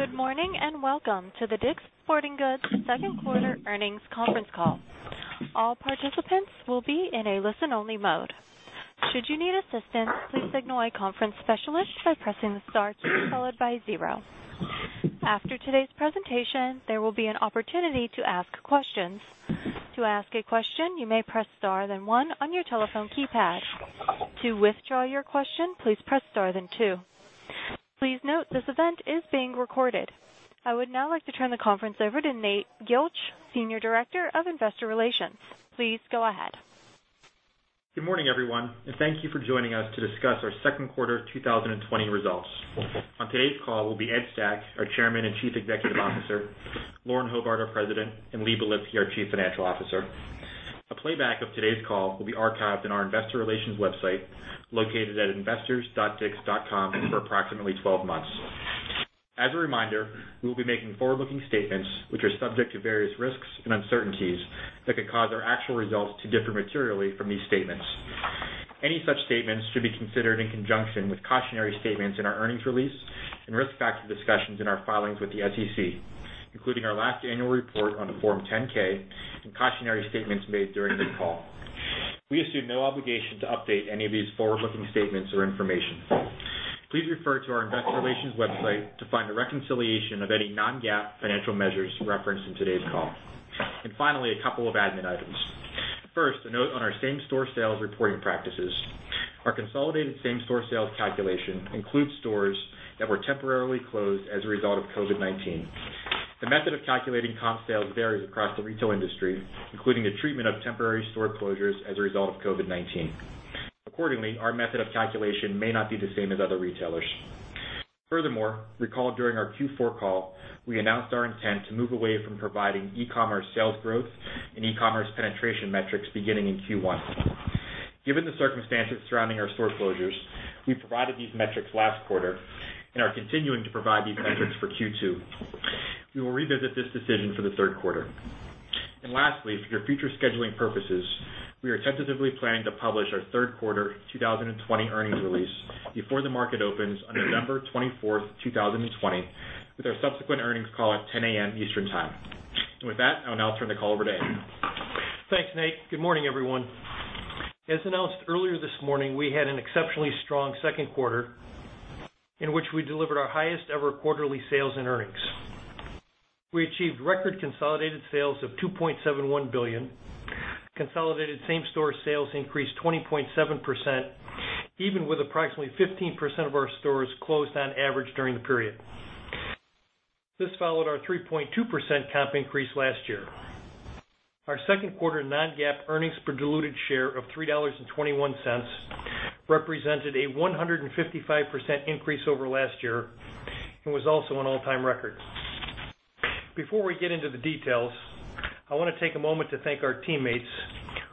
Good morning, and welcome to the DICK'S Sporting Goods second quarter earnings conference call. All participants will be in a listen-only mode. Should you need assistance, please signal a conference specialist by pressing the star key followed by zero. After today's presentation, there will be an opportunity to ask questions. To ask a question, you may press star then one on your telephone keypad. To withdraw your question, please press star then two. Please note this event is being recorded. I would now like to turn the conference over to Nate Gilch, Senior Director of Investor Relations. Please go ahead. Good morning, everyone, and thank you for joining us to discuss our second quarter 2020 results. On today's call will be Ed Stack, our Chairman and Chief Executive Officer, Lauren Hobart, our President, and Lee Belitsky, our Chief Financial Officer. A playback of today's call will be archived on our investor relations website, located at investors.dicks.com for approximately 12 months. As a reminder, we will be making forward-looking statements, which are subject to various risks and uncertainties that could cause our actual results to differ materially from these statements. Any such statements should be considered in conjunction with cautionary statements in our earnings release and risk factor discussions in our filings with the SEC, including our last annual report on the Form 10-K and cautionary statements made during this call. We assume no obligation to update any of these forward-looking statements or information. Please refer to our investor relations website to find a reconciliation of any non-GAAP financial measures referenced in today's call. Finally, a couple of admin items. First, a note on our same-store sales reporting practices. Our consolidated same-store sales calculation includes stores that were temporarily closed as a result of COVID-19. The method of calculating comp sales varies across the retail industry, including the treatment of temporary store closures as a result of COVID-19. Accordingly, our method of calculation may not be the same as other retailers. Furthermore, recall during our Q4 call, we announced our intent to move away from providing e-commerce sales growth and e-commerce penetration metrics beginning in Q1. Given the circumstances surrounding our store closures, we provided these metrics last quarter and are continuing to provide these metrics for Q2. We will revisit this decision for the third quarter. Lastly, for your future scheduling purposes, we are tentatively planning to publish our third quarter 2020 earnings release before the market opens on November 24th, 2020, with our subsequent earnings call at 10:00 A.M. Eastern Time. With that, I will now turn the call over to Ed. Thanks, Nate. Good morning, everyone. As announced earlier this morning, we had an exceptionally strong second quarter in which we delivered our highest-ever quarterly sales and earnings. We achieved record consolidated sales of $2.71 billion. Consolidated same-store sales increased 20.7%, even with approximately 15% of our stores closed on average during the period. This followed our 3.2% comp increase last year. Our second quarter non-GAAP earnings per diluted share of $3.21 represented a 155% increase over last year and was also an all-time record. Before we get into the details, I want to take a moment to thank our teammates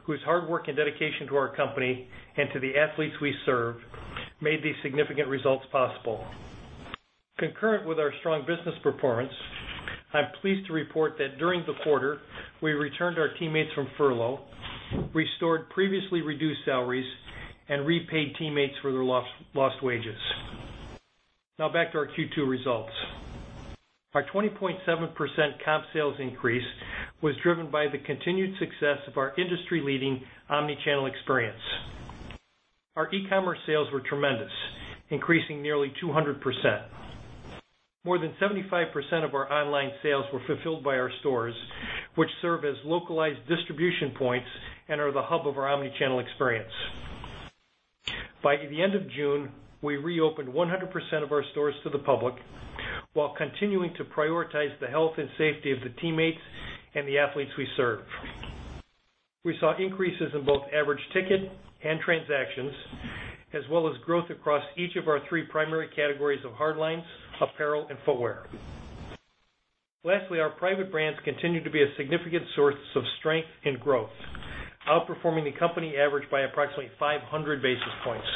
whose hard work and dedication to our company and to the athletes we serve made these significant results possible. Concurrent with our strong business performance, I'm pleased to report that during the quarter, we returned our teammates from furlough, restored previously reduced salaries, and repaid teammates for their lost wages. Now back to our Q2 results. Our 20.7% comp sales increase was driven by the continued success of our industry-leading omni-channel experience. Our e-commerce sales were tremendous, increasing nearly 200%. More than 75% of our online sales were fulfilled by our stores, which serve as localized distribution points and are the hub of our omni-channel experience. By the end of June, we reopened 100% of our stores to the public while continuing to prioritize the health and safety of the teammates and the athletes we serve. We saw increases in both average ticket and transactions, as well as growth across each of our three primary categories of hard lines, apparel, and footwear. Lastly, our private brands continue to be a significant source of strength and growth, outperforming the company average by approximately 500 basis points.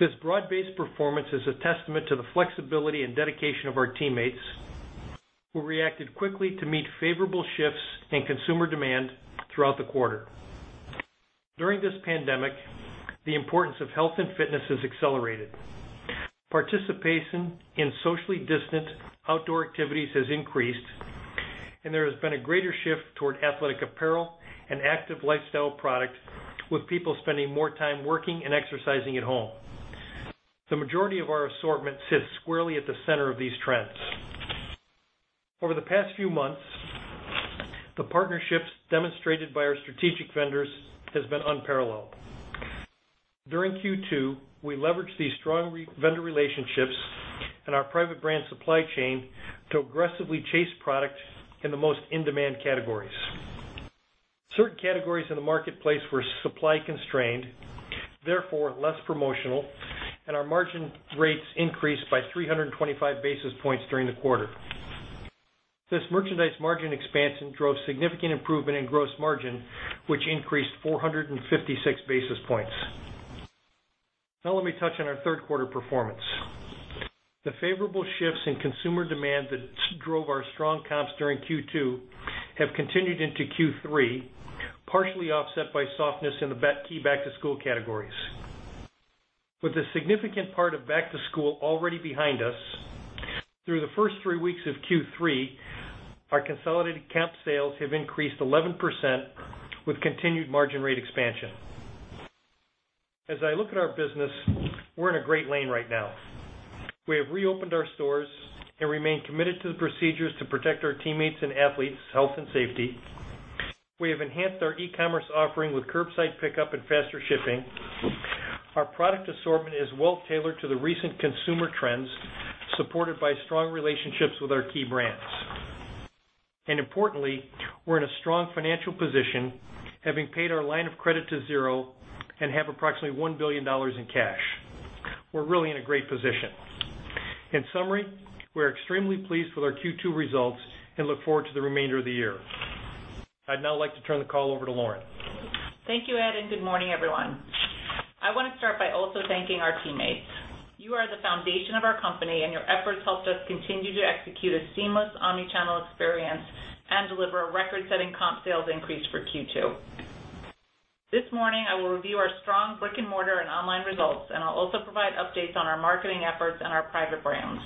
This broad-based performance is a testament to the flexibility and dedication of our teammates, who reacted quickly to meet favorable shifts in consumer demand throughout the quarter. During this pandemic, the importance of health and fitness has accelerated. Participation in socially distant outdoor activities has increased, and there has been a greater shift toward athletic apparel and active lifestyle product, with people spending more time working and exercising at home. The majority of our assortment sits squarely at the center of these trends. Over the past few months, the partnerships demonstrated by our strategic vendors has been unparalleled. During Q2, we leveraged these strong vendor relationships and our private brand supply chain to aggressively chase products in the most in-demand categories. Certain categories in the marketplace were supply-constrained, therefore less promotional, and our margin rates increased by 325 basis points during the quarter. This merchandise margin expansion drove significant improvement in gross margin, which increased 456 basis points. Let me touch on our third quarter performance. The favorable shifts in consumer demand that drove our strong comps during Q2 have continued into Q3. Partially offset by softness in the key back-to-school categories. With a significant part of back to school already behind us, through the first three weeks of Q3, our consolidated comp sales have increased 11%, with continued margin rate expansion. I look at our business, we're in a great lane right now. We have reopened our stores and remain committed to the procedures to protect our teammates' and athletes' health and safety. We have enhanced our e-commerce offering with curbside pickup and faster shipping. Our product assortment is well-tailored to the recent consumer trends, supported by strong relationships with our key brands. Importantly, we're in a strong financial position, having paid our line of credit to zero and have approximately $1 billion in cash. We're really in a great position. In summary, we're extremely pleased with our Q2 results and look forward to the remainder of the year. I'd now like to turn the call over to Lauren. Thank you, Ed, and good morning, everyone. I want to start by also thanking our teammates. You are the foundation of our company, and your efforts helped us continue to execute a seamless omni-channel experience and deliver a record-setting comp sales increase for Q2. This morning, I will review our strong brick-and-mortar and online results, and I'll also provide updates on our marketing efforts and our private brands.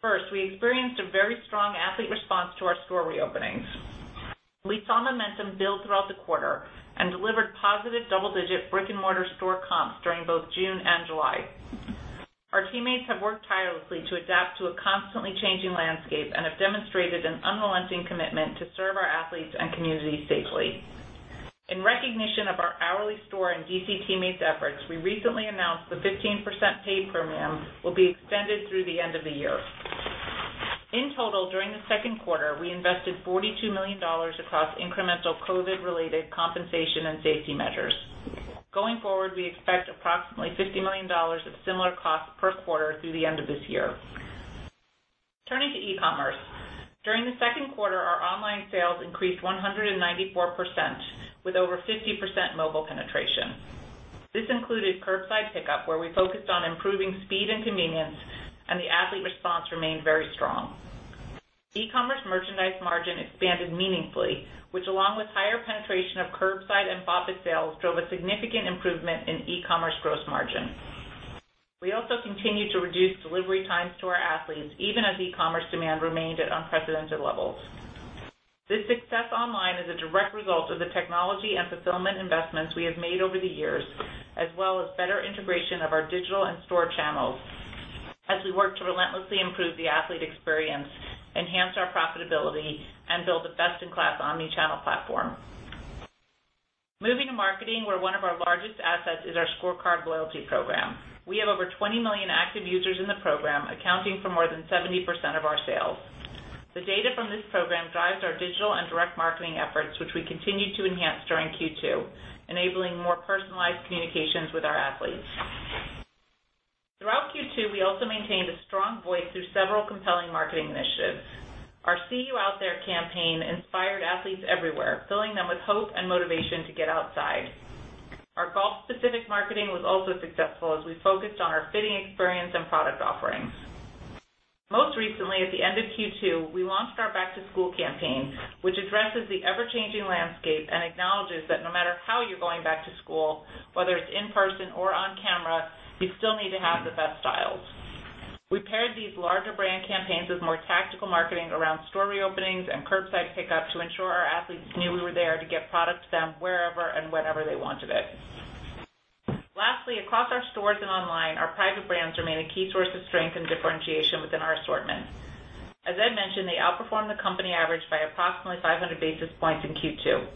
First, we experienced a very strong athlete response to our store reopenings. We saw momentum build throughout the quarter and delivered positive double-digit brick-and-mortar store comps during both June and July. Our teammates have worked tirelessly to adapt to a constantly changing landscape and have demonstrated an unrelenting commitment to serve our athletes and communities safely. In recognition of our hourly store and DC teammates' efforts, we recently announced the 15% pay premium will be extended through the end of the year. In total, during the second quarter, we invested $42 million across incremental COVID-19-related compensation and safety measures. Going forward, we expect approximately $50 million of similar costs per quarter through the end of this year. Turning to e-commerce. During the second quarter, our online sales increased 194% with over 50% mobile penetration. This included curbside pickup, where we focused on improving speed and convenience, and the athlete response remained very strong. E-commerce merchandise margin expanded meaningfully, which, along with higher penetration of curbside and BOPIS sales, drove a significant improvement in e-commerce gross margin. We also continued to reduce delivery times to our athletes, even as e-commerce demand remained at unprecedented levels. This success online is a direct result of the technology and fulfillment investments we have made over the years, as well as better integration of our digital and store channels as we work to relentlessly improve the athlete experience, enhance our profitability, and build a best-in-class omni-channel platform. Moving to marketing, where one of our largest assets is our ScoreCard loyalty program. We have over 20 million active users in the program, accounting for more than 70% of our sales. The data from this program drives our digital and direct marketing efforts, which we continued to enhance during Q2, enabling more personalized communications with our athletes. Throughout Q2, we also maintained a strong voice through several compelling marketing initiatives. Our See You Out There campaign inspired athletes everywhere, filling them with hope and motivation to get outside. Our golf-specific marketing was also successful as we focused on our fitting experience and product offerings. Most recently, at the end of Q2, we launched our back-to-school campaign, which addresses the ever-changing landscape and acknowledges that no matter how you're going back to school, whether it's in person or on camera, you still need to have the best styles. We paired these larger brand campaigns with more tactical marketing around store reopenings and curbside pickup to ensure our athletes knew we were there to get product to them wherever and whenever they wanted it. Lastly, across our stores and online, our private brands remain a key source of strength and differentiation within our assortment. As Ed mentioned, they outperformed the company average by approximately 500 basis points in Q2.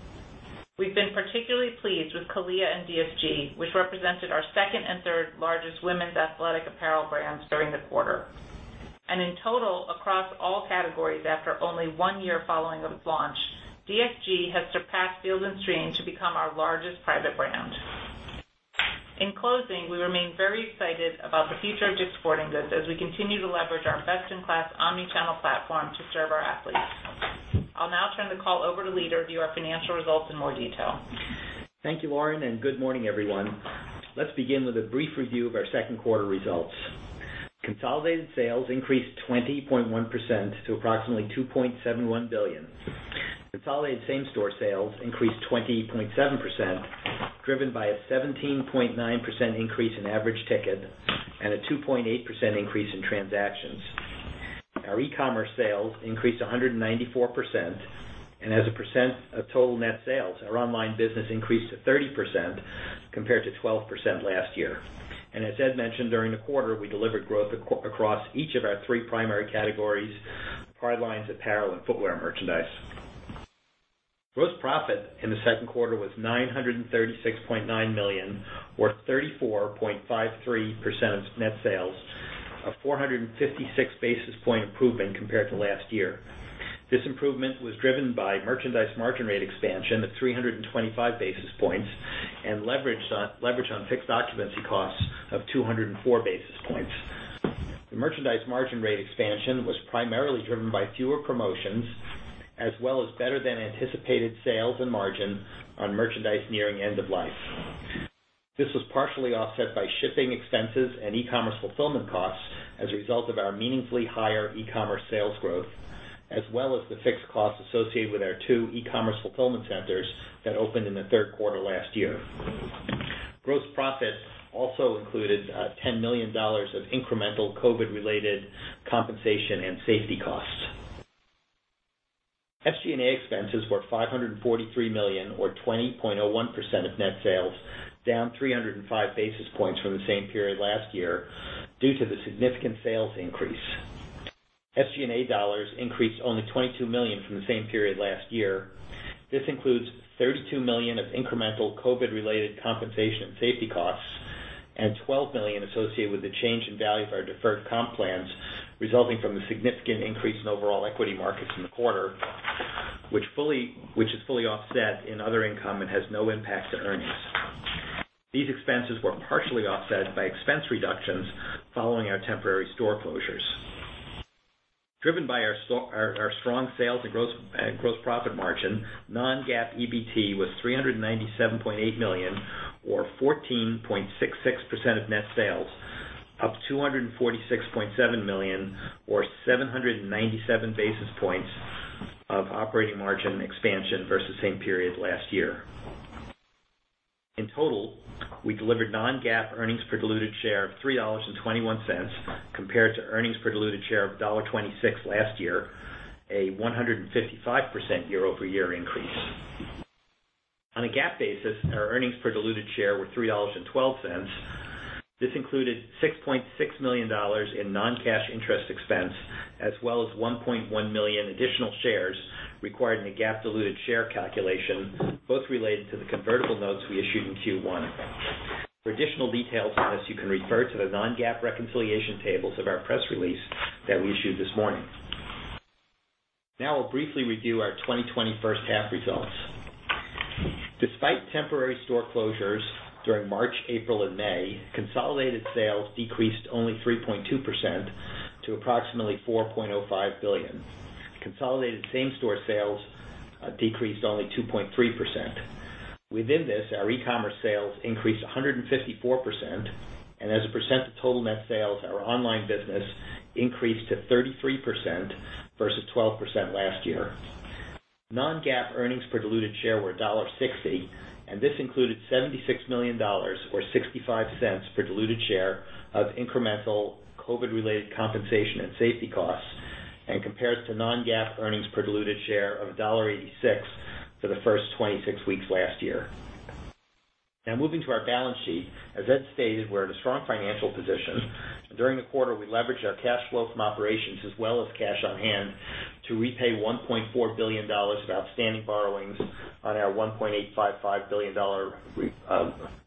We've been particularly pleased with CALIA and DSG, which represented our second and third largest women's athletic apparel brands during the quarter. In total, across all categories, after only one year following its launch, DSG has surpassed Field & Stream to become our largest private brand. In closing, we remain very excited about the future of DICK'S Sporting Goods as we continue to leverage our best-in-class omni-channel platform to serve our athletes. I'll now turn the call over to Lee to review our financial results in more detail. Thank you, Lauren. Good morning, everyone. Let's begin with a brief review of our second quarter results. Consolidated sales increased 20.1% to approximately $2.71 billion. Consolidated same-store sales increased 20.7%, driven by a 17.9% increase in average ticket and a 2.8% increase in transactions. Our e-commerce sales increased 194%. As a percent of total net sales, our online business increased to 30% compared to 12% last year. As Ed mentioned, during the quarter, we delivered growth across each of our three primary categories: hardlines, apparel, and footwear merchandise. Gross profit in the second quarter was $936.9 million or 34.53% of net sales, a 456 basis point improvement compared to last year. This improvement was driven by merchandise margin rate expansion of 325 basis points and leverage on fixed occupancy costs of 204 basis points. The merchandise margin rate expansion was primarily driven by fewer promotions, as well as better-than-anticipated sales and margin on merchandise nearing end of life. This was partially offset by shipping expenses and e-commerce fulfillment costs as a result of our meaningfully higher e-commerce sales growth, as well as the fixed costs associated with our two e-commerce fulfillment centers that opened in the third quarter last year. Gross profit also included $10 million of incremental COVID-related compensation and safety costs. SG&A expenses were $543 million or 20.01% of net sales, down 305 basis points from the same period last year due to the significant sales increase. SG&A dollars increased only $22 million from the same period last year. This includes $32 million of incremental COVID-related compensation and safety costs and $12 million associated with the change in value of our deferred comp plans, resulting from the significant increase in overall equity markets in the quarter, which is fully offset in other income and has no impact to earnings. These expenses were partially offset by expense reductions following our temporary store closures. Driven by our strong sales and gross profit margin, non-GAAP EBT was $397.8 million or 14.66% of net sales, up $246.7 million or 797 basis points of operating margin expansion versus same period last year. In total, we delivered non-GAAP earnings per diluted share of $3.21 compared to earnings per diluted share of $1.26 last year, a 155% year-over-year increase. On a GAAP basis, our earnings per diluted share were $3.12. This included $6.6 million in non-cash interest expense as well as 1.1 million additional shares required in the GAAP diluted share calculation, both related to the convertible notes we issued in Q1. For additional details on this, you can refer to the non-GAAP reconciliation tables of our press release that we issued this morning. I'll briefly review our 2020 first half results. Despite temporary store closures during March, April, and May, consolidated sales decreased only 3.2% to approximately $4.05 billion. Consolidated same-store sales decreased only 2.3%. Within this, our e-commerce sales increased 154%, and as a percent of total net sales, our online business increased to 33% versus 12% last year. Non-GAAP earnings per diluted share were $1.60, and this included $76 million or $0.65 per diluted share of incremental COVID-related compensation and safety costs and compares to non-GAAP earnings per diluted share of $1.86 for the first 26 weeks last year. Now moving to our balance sheet. As Ed stated, we're at a strong financial position. During the quarter, we leveraged our cash flow from operations as well as cash on hand to repay $1.4 billion of outstanding borrowings on our $1.855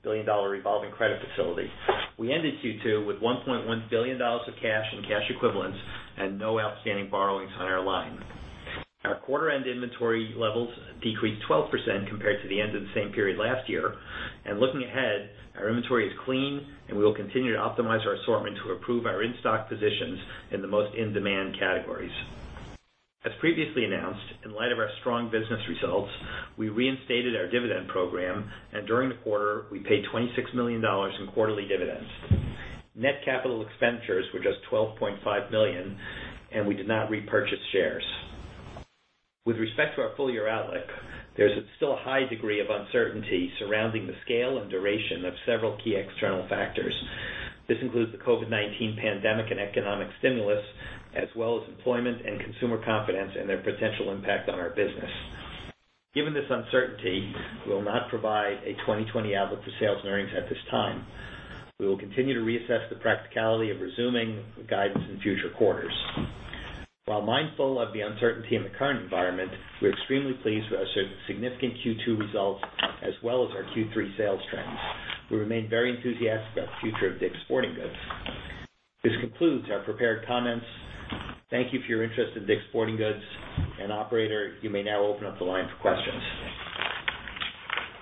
billion revolving credit facility. We ended Q2 with $1.1 billion of cash and cash equivalents and no outstanding borrowings on our line. Our quarter-end inventory levels decreased 12% compared to the end of the same period last year. Looking ahead, our inventory is clean, and we will continue to optimize our assortment to improve our in-stock positions in the most in-demand categories. As previously announced, in light of our strong business results, we reinstated our dividend program, and during the quarter, we paid $26 million in quarterly dividends. Net capital expenditures were just $12.5 million, and we did not repurchase shares. With respect to our full-year outlook, there's still a high degree of uncertainty surrounding the scale and duration of several key external factors. This includes the COVID-19 pandemic and economic stimulus, as well as employment and consumer confidence and their potential impact on our business. Given this uncertainty, we will not provide a 2020 outlook for sales and earnings at this time. We will continue to reassess the practicality of resuming guidance in future quarters. While mindful of the uncertainty in the current environment, we're extremely pleased with our significant Q2 results as well as our Q3 sales trends. We remain very enthusiastic about the future of DICK'S Sporting Goods. This concludes our prepared comments. Thank you for your interest in DICK'S Sporting Goods. Operator, you may now open up the line for questions.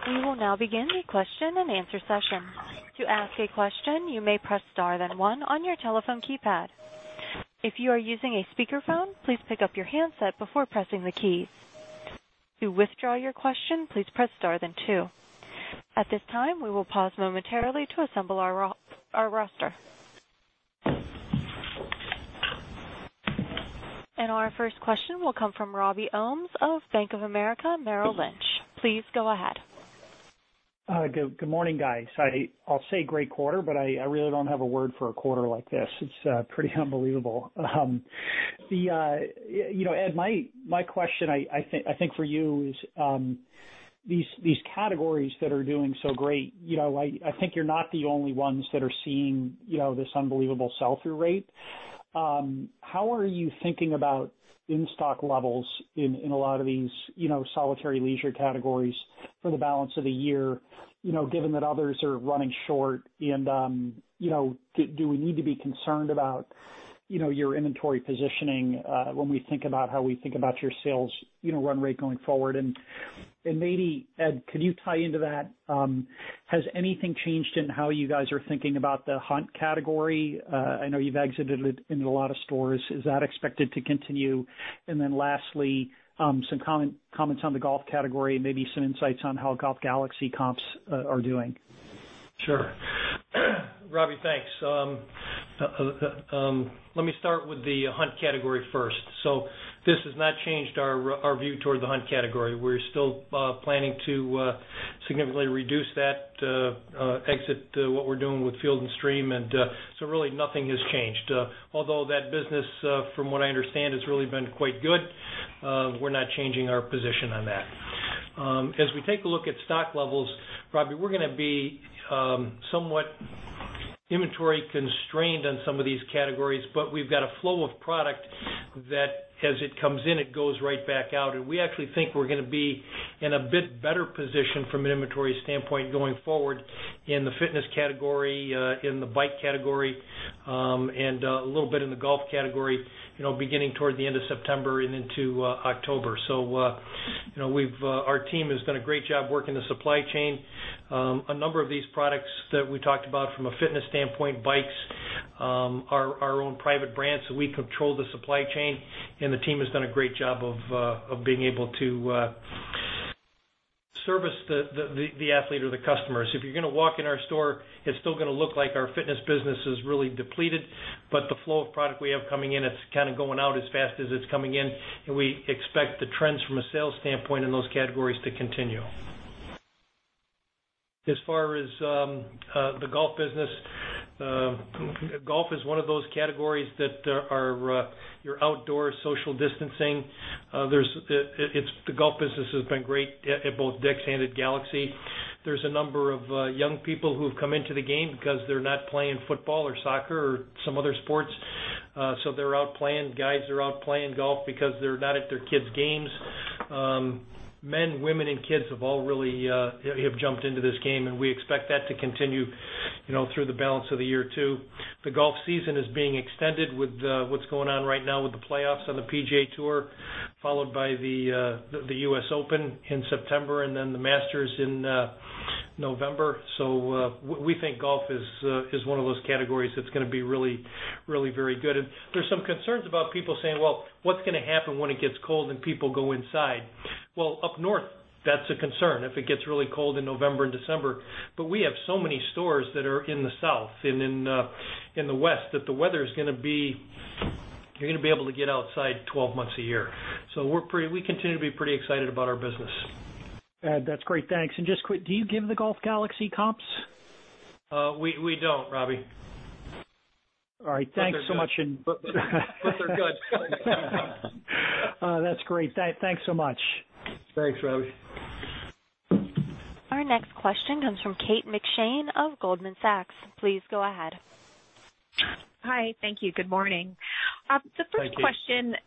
We will now begin the question-and-answer session. To ask a question, you may press star then one on your telephone keypad. If you are using a speakerphone, please pick up your handset before pressing the keys. To withdraw your question, please press star then two. At this time, we will pause momentarily to assemble our roster. Our first question will come from Robby Ohmes of Bank of America Merrill Lynch. Please go ahead. Good morning, guys. I'll say great quarter, but I really don't have a word for a quarter like this. It's pretty unbelievable. Ed, my question I think for you is these categories that are doing so great, I think you're not the only ones that are seeing this unbelievable sell-through rate. How are you thinking about in-stock levels in a lot of these solitary leisure categories for the balance of the year, given that others are running short? Do we need to be concerned about your inventory positioning when we think about how we think about your sales run rate going forward? Maybe, Ed, could you tie into that, has anything changed in how you guys are thinking about the hunt category? I know you've exited it in a lot of stores. Is that expected to continue? Lastly, some comments on the golf category and maybe some insights on how Golf Galaxy comps are doing. Sure. Robby, thanks. Let me start with the hunt category first. This has not changed our view toward the hunt category. We're still planning to significantly reduce that exit, what we're doing with Field & Stream, really nothing has changed. Although that business, from what I understand, has really been quite good, we're not changing our position on that. As we take a look at stock levels, Robby, we're going to be somewhat inventory constrained on some of these categories, but we've got a flow of product that as it comes in, it goes right back out. We actually think we're going to be in a bit better position from an inventory standpoint going forward in the fitness category, in the bike category, and a little bit in the golf category, beginning toward the end of September and into October. Our team has done a great job working the supply chain. A number of these products that we talked about from a fitness standpoint, bikes, our own private brands, so we control the supply chain, and the team has done a great job of being able to service the athlete or the customers. If you're going to walk in our store, it's still going to look like our fitness business is really depleted, but the flow of product we have coming in, it's going out as fast as it's coming in, and we expect the trends from a sales standpoint in those categories to continue. As far as the golf business, golf is one of those categories that are your outdoor social distancing. The golf business has been great at both DICK'S and Golf Galaxy. There's a number of young people who have come into the game because they're not playing football or soccer or some other sports. They're out playing. Guys are out playing golf because they're not at their kids' games. Men, women, and kids have all really jumped into this game, and we expect that to continue through the balance of the year, too. The golf season is being extended with what's going on right now with the playoffs on the PGA Tour, followed by the U.S. Open in September and then the Masters in November. We think golf is one of those categories that's going to be really very good. There's some concerns about people saying, "Well, what's going to happen when it gets cold and people go inside?" Well, up north, that's a concern if it gets really cold in November and December. We have so many stores that are in the South and in the West that you're going to be able to get outside 12 months a year. We continue to be pretty excited about our business. That's great. Thanks. Just quick, do you give the Golf Galaxy comps? We don't, Robby. All right. Thanks so much. They're good. That's great. Thanks so much. Thanks, Robby. Our next question comes from Kate McShane of Goldman Sachs. Please go ahead. Hi. Thank you. Good morning. Hi, Kate. The first question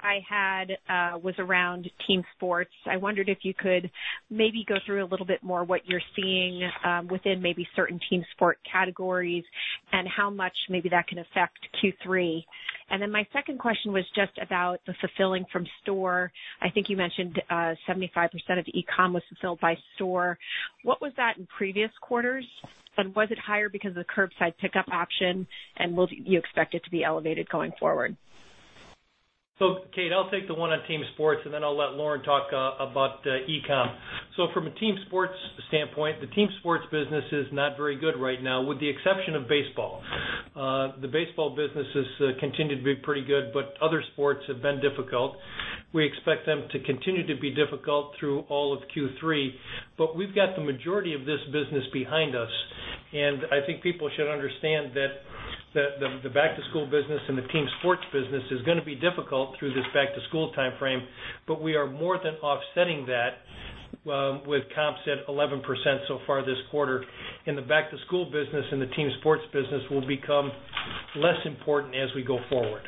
I had was around team sports. I wondered if you could maybe go through a little bit more what you're seeing within maybe certain team sport categories and how much maybe that can affect Q3. My second question was just about the fulfilling from store. I think you mentioned 75% of e-commerce was fulfilled by store. What was that in previous quarters? Was it higher because of the curbside pickup option, and will you expect it to be elevated going forward? Kate, I'll take the one on team sports, and then I'll let Lauren talk about e-commerce. From a Team Sports standpoint, the team sports business is not very good right now, with the exception of baseball. The baseball business has continued to be pretty good, but other sports have been difficult. We expect them to continue to be difficult through all of Q3. We've got the majority of this business behind us, and I think people should understand that the back-to-school business and the team sports business is going to be difficult through this back-to-school timeframe, but we are more than offsetting that with comps at 11% so far this quarter. The back-to-school business and the team sports business will become less important as we go forward.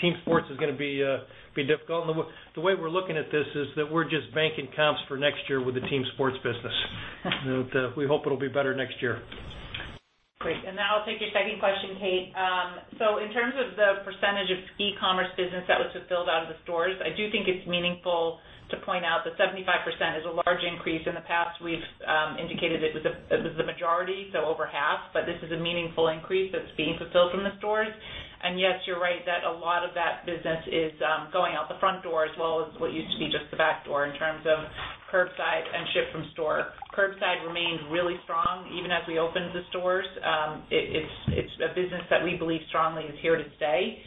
Team sports is going to be difficult. The way we're looking at this is that we're just banking comps for next year with the team sports business. We hope it'll be better next year. Great. Now I'll take your second question, Kate. In terms of the percentage of e-commerce business that was fulfilled out of the stores, I do think it's meaningful to point out that 75% is a large increase. In the past, we've indicated it was the majority, so over half, but this is a meaningful increase that's being fulfilled from the stores. Yes, you're right that a lot of that business is going out the front door as well as what used to be just the back door in terms of curbside and ship from store. Curbside remains really strong even as we open the stores. It's a business that we believe strongly is here to stay.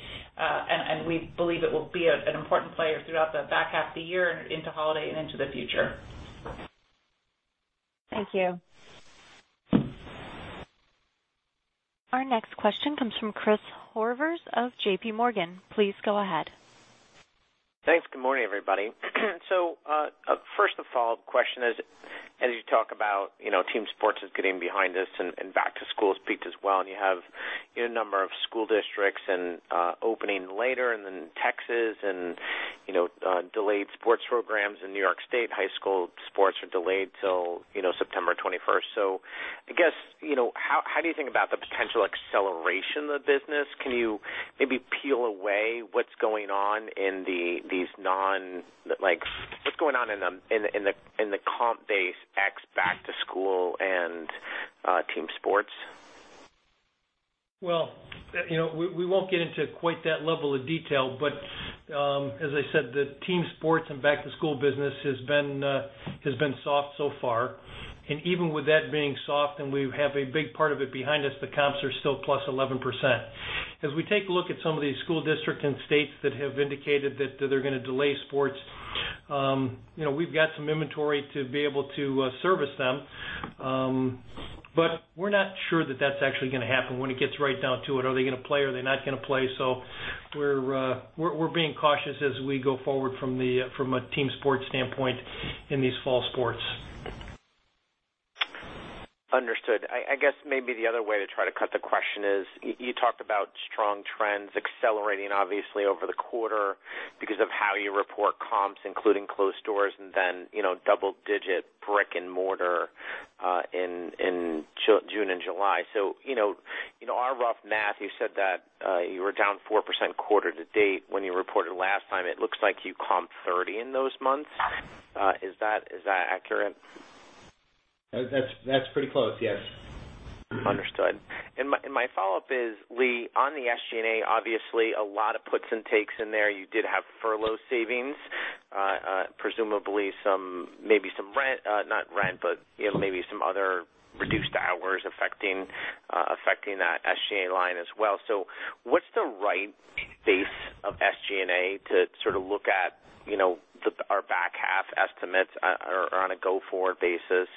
We believe it will be an important player throughout the back half of the year and into holiday and into the future. Thank you. Our next question comes from Chris Horvers of JPMorgan. Please go ahead. Thanks. Good morning, everybody. First of all, question is, as you talk about team sports is getting behind us and back to school has peaked as well, and you have a number of school districts opening later, and then Texas and delayed sports programs in New York State, high school sports are delayed till September 21st. I guess, how do you think about the potential acceleration of the business? Can you maybe peel away what's going on in the comp base X back? Team Sports. Well, we won't get into quite that level of detail. As I said, the Team Sports and Back to School business has been soft so far. Even with that being soft, and we have a big part of it behind us, the comps are still plus 11%. As we take a look at some of these school district and states that have indicated that they're going to delay sports, we've got some inventory to be able to service them. We're not sure that that's actually going to happen when it gets right down to it. Are they going to play? Are they not going to play? We're being cautious as we go forward from a team sports standpoint in these fall sports. Understood. I guess maybe the other way to try to cut the question is, you talked about strong trends accelerating obviously over the quarter because of how you report comps, including closed doors and then double-digit brick and mortar, in June and July. In our rough math, you said that you were down 4% quarter to date when you reported last time. It looks like you comped 30 in those months. Is that accurate? That's pretty close. Yes. Understood. My follow-up is, Lee, on the SG&A, obviously a lot of puts and takes in there. You did have furlough savings, presumably maybe some other reduced hours affecting that SG&A line as well. What's the right base of SG&A to sort of look at our back half estimates or on a go-forward basis?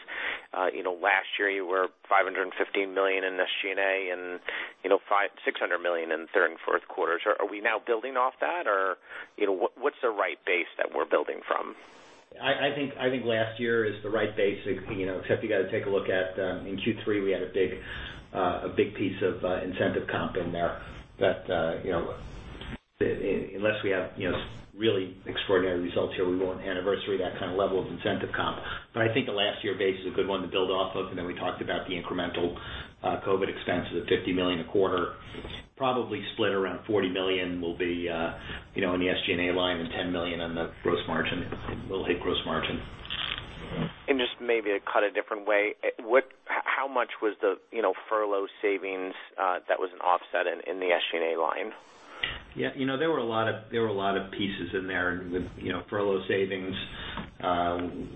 Last year you were $515 million in SG&A and $600 million in third and fourth quarters. Are we now building off that or what's the right base that we're building from? I think last year is the right base, except you got to take a look at in Q3, we had a big piece of incentive comp in there that unless we have really extraordinary results here, we won't anniversary that kind of level of incentive comp. I think the last year base is a good one to build off of. We talked about the incremental COVID-19 expenses of $50 million a quarter, probably split around $40 million will be in the SG&A line and $10 million will hit gross margin. Just maybe to cut a different way, how much was the furlough savings that was an offset in the SG&A line? Yeah. There were a lot of pieces in there with furlough savings.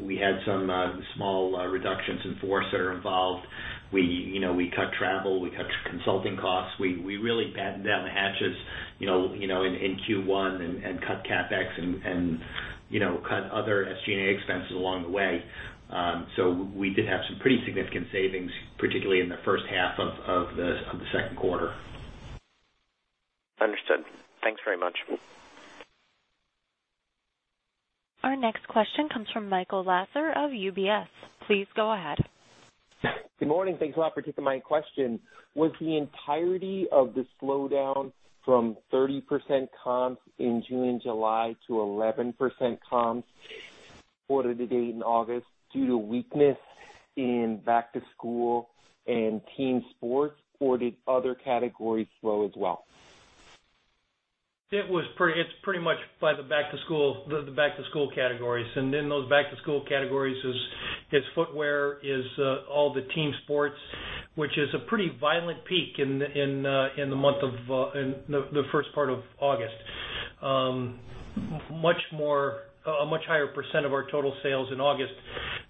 We had some small reductions in force that are involved. We cut travel, we cut consulting costs. We really battened down the hatches in Q1 and cut CapEx and cut other SG&A expenses along the way. We did have some pretty significant savings, particularly in the first half of the second quarter. Understood. Thanks very much. Our next question comes from Michael Lasser of UBS. Please go ahead. Good morning. Thanks a lot for taking my question. Was the entirety of the slowdown from 30% comps in June and July to 11% comps quarter to date in August due to weakness in Back to School and Team Sports, or did other categories slow as well? It's pretty much by the back-to-school categories. Those back-to-school categories is footwear, is all the team sports, which is a pretty volume peak in the first part of August. A much higher percent of our total sales in August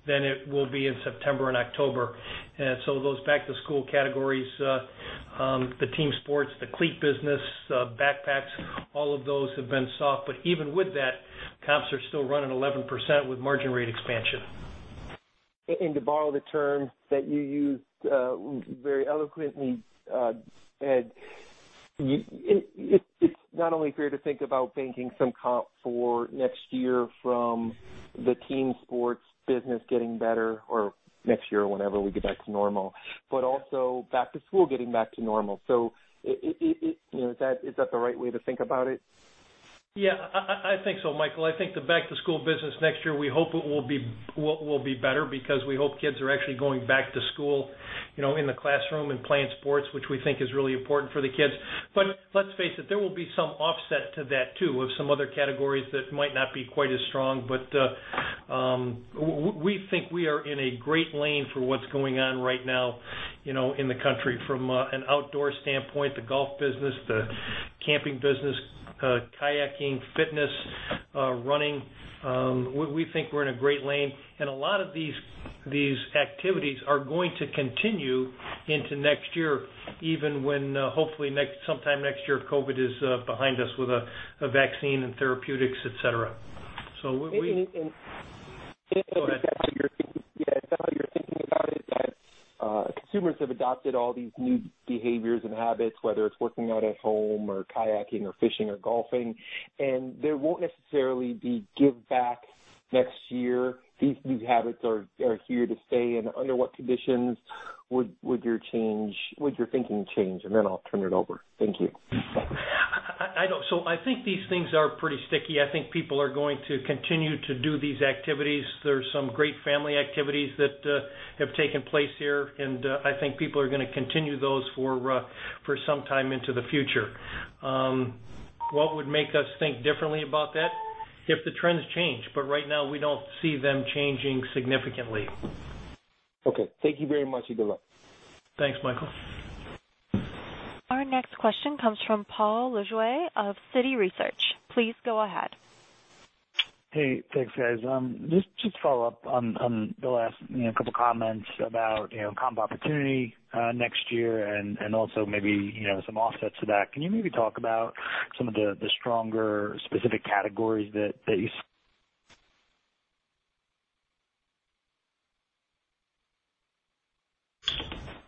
than it will be in September and October. Those back-to-school categories, the team sports, the cleat business, backpacks, all of those have been soft. Even with that, comps are still running 11% with margin rate expansion. To borrow the term that you used very eloquently, Ed, it's not only fair to think about banking some comp for next year from the team sports business getting better or next year, whenever we get back to normal, but also Back to School getting back to normal. Is that the right way to think about it? Yeah, I think so, Michael. I think the Back to School business next year, we hope it will be better because we hope kids are actually going back to school in the classroom and playing sports, which we think is really important for the kids. Let's face it, there will be some offset to that too, of some other categories that might not be quite as strong. We think we are in a great lane for what's going on right now in the country from an outdoor standpoint, the golf business, the camping business, kayaking, fitness, running. We think we're in a great lane, and a lot of these activities are going to continue into next year, even when hopefully sometime next year if COVID-19 is behind us with a vaccine and therapeutics, et cetera. And. Go ahead. consumers have adopted all these new behaviors and habits, whether it's working out at home or kayaking or fishing or golfing, there won't necessarily be give back next year. These new habits are here to stay. Under what conditions would your thinking change? I'll turn it over. Thank you. I think these things are pretty sticky. I think people are going to continue to do these activities. There's some great family activities that have taken place here, and I think people are going to continue those for some time into the future. What would make us think differently about that? If the trends change, but right now we don't see them changing significantly. Okay. Thank you very much and good luck. Thanks, Michael. Our next question comes from Paul Lejuez of Citi Research. Please go ahead. Hey, thanks, guys. Just to follow up on Bill's last couple comments about comp opportunity next year and also maybe some offsets to that. Can you maybe talk about some of the stronger specific categories that you.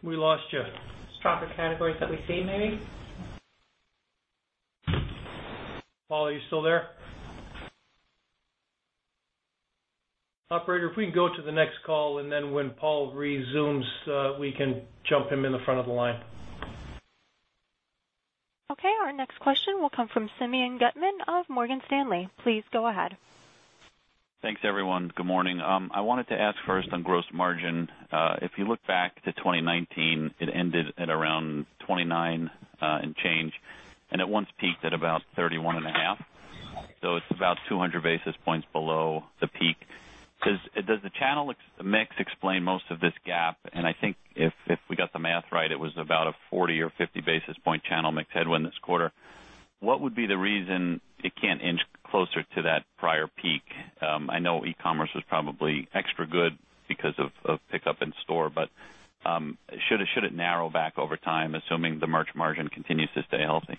We lost you. Stronger categories that we see, maybe? Paul, are you still there? Operator, if we can go to the next call, and then when Paul resumes, we can jump him in the front of the line. Okay. Our next question will come from Simeon Gutman of Morgan Stanley. Please go ahead. Thanks, everyone. Good morning. I wanted to ask first on gross margin. If you look back to 2019, it ended at around 29% and change, and at once peaked at about 31.5%. It's about 200 basis points below the peak. Does the channel mix explain most of this gap? I think if we got the math right, it was about a 40 or 50 basis point channel mix headwind this quarter. What would be the reason it can't inch closer to that prior peak? I know e-commerce was probably extra good because of pickup in store. Should it narrow back over time, assuming the merch margin continues to stay healthy?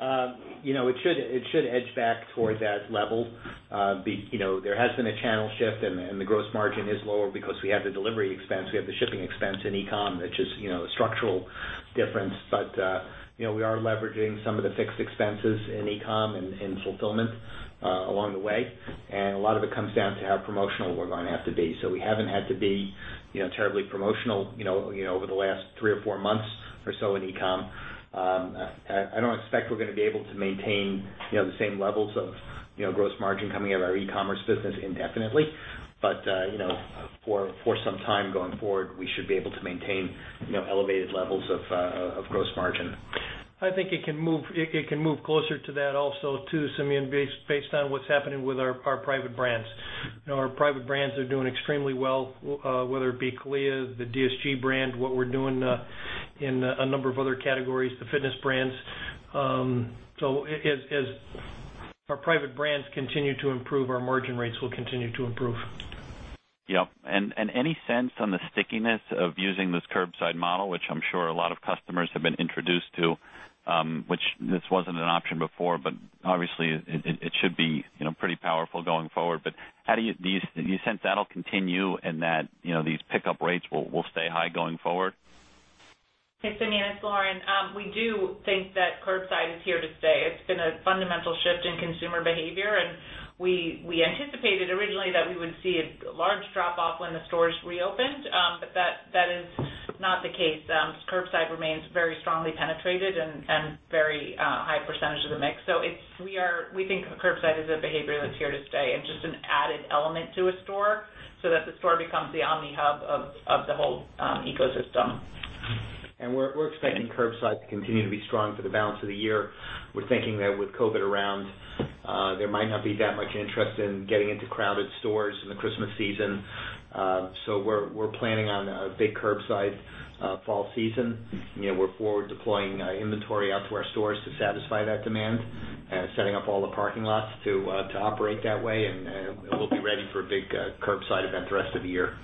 It should edge back towards that level. There has been a channel shift, and the gross margin is lower because we have the delivery expense, we have the shipping expense in e-commerce, which is a structural difference. We are leveraging some of the fixed expenses in e-commerce and in fulfillment along the way. A lot of it comes down to how promotional we're going to have to be. We haven't had to be terribly promotional over the last three or four months or so in e-commerce. I don't expect we're going to be able to maintain the same levels of gross margin coming out of our e-commerce business indefinitely. For some time going forward, we should be able to maintain elevated levels of gross margin. I think it can move closer to that also too, Simeon, based on what's happening with our private brands. Our private brands are doing extremely well, whether it be CALIA, the DSG brand, what we're doing in a number of other categories, the fitness brands. As our private brands continue to improve, our margin rates will continue to improve. Yep. Any sense on the stickiness of using this curbside model, which I'm sure a lot of customers have been introduced to, which this wasn't an option before, but obviously it should be pretty powerful going forward. Do you sense that'll continue and that these pickup rates will stay high going forward? Hey, Simeon, it's Lauren. We do think that curbside is here to stay. It's been a fundamental shift in consumer behavior. We anticipated originally that we would see a large drop off when the stores reopened. That is not the case. Curbside remains very strongly penetrated and a very high percentage of the mix. We think curbside is a behavior that's here to stay and just an added element to a store so that the store becomes the omni hub of the whole ecosystem. We're expecting curbside to continue to be strong for the balance of the year. We're thinking that with COVID-19 around, there might not be that much interest in getting into crowded stores in the Christmas season. We're planning on a big curbside fall season. We're forward deploying inventory out to our stores to satisfy that demand, setting up all the parking lots to operate that way, and we'll be ready for a big curbside event the rest of the year.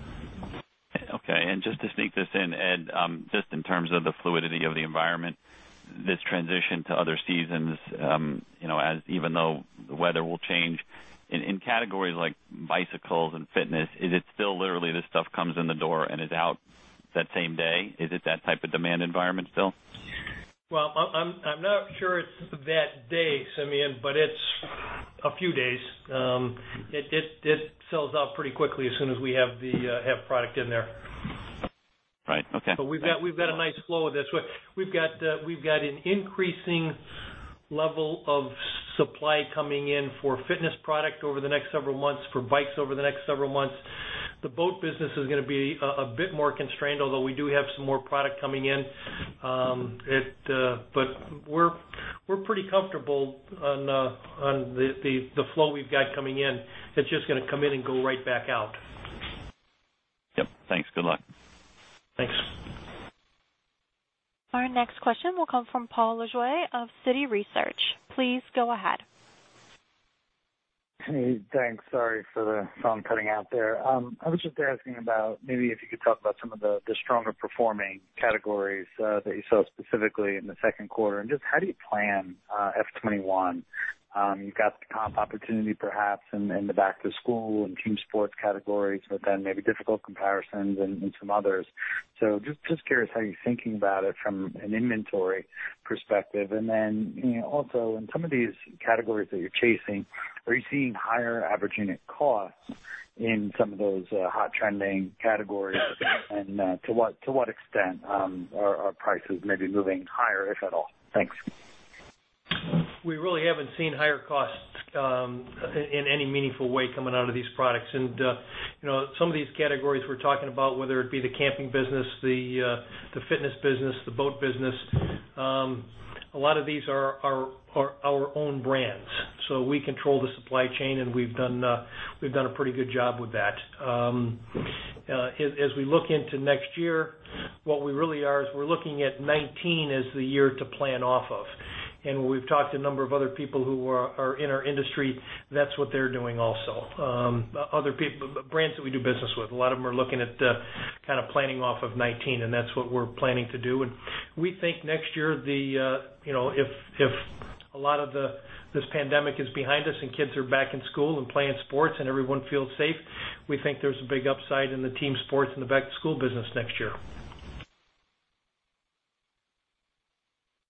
Okay. Just to sneak this in, Ed, just in terms of the fluidity of the environment, this transition to other seasons, even though the weather will change. In categories like bicycles and fitness, is it still literally this stuff comes in the door and is out that same day? Is it that type of demand environment still? Well, I'm not sure it's that day, Simeon, but it's a few days. It sells out pretty quickly as soon as we have product in there. Right. Okay. We've got a nice flow of this. We've got an increasing level of supply coming in for fitness product over the next several months, for bikes over the next several months. The boat business is going to be a bit more constrained, although we do have some more product coming in. We're pretty comfortable on the flow we've got coming in. It's just going to come in and go right back out. Yep. Thanks. Good luck. Thanks. Our next question will come from Paul Lejuez of Citi Research. Please go ahead. Hey, thanks. Sorry for the phone cutting out there. I was just asking about maybe if you could talk about some of the stronger performing categories that you saw specifically in the second quarter, and just how do you plan FY 2021? You've got the comp opportunity perhaps in the back-to-school and team sports categories, but then maybe difficult comparisons in some others. Just curious how you're thinking about it from an inventory perspective. Then also, in some of these categories that you're chasing, are you seeing higher average unit costs in some of those hot trending categories? To what extent are prices maybe moving higher, if at all? Thanks. We haven't seen higher costs in any meaningful way coming out of these products. Some of these categories we're talking about, whether it be the camping business, the fitness business, the boat business, a lot of these are our own brands. We control the supply chain, and we've done a pretty good job with that. As we look into next year, what we really are is we're looking at 2019 as the year to plan off of. When we've talked to a number of other people who are in our industry, that's what they're doing also. Other brands that we do business with, a lot of them are looking at kind of planning off of 2019, and that's what we're planning to do. We think next year, if a lot of this pandemic is behind us and kids are back in school and playing sports and everyone feels safe, we think there's a big upside in the team sports and the back-to-school business next year.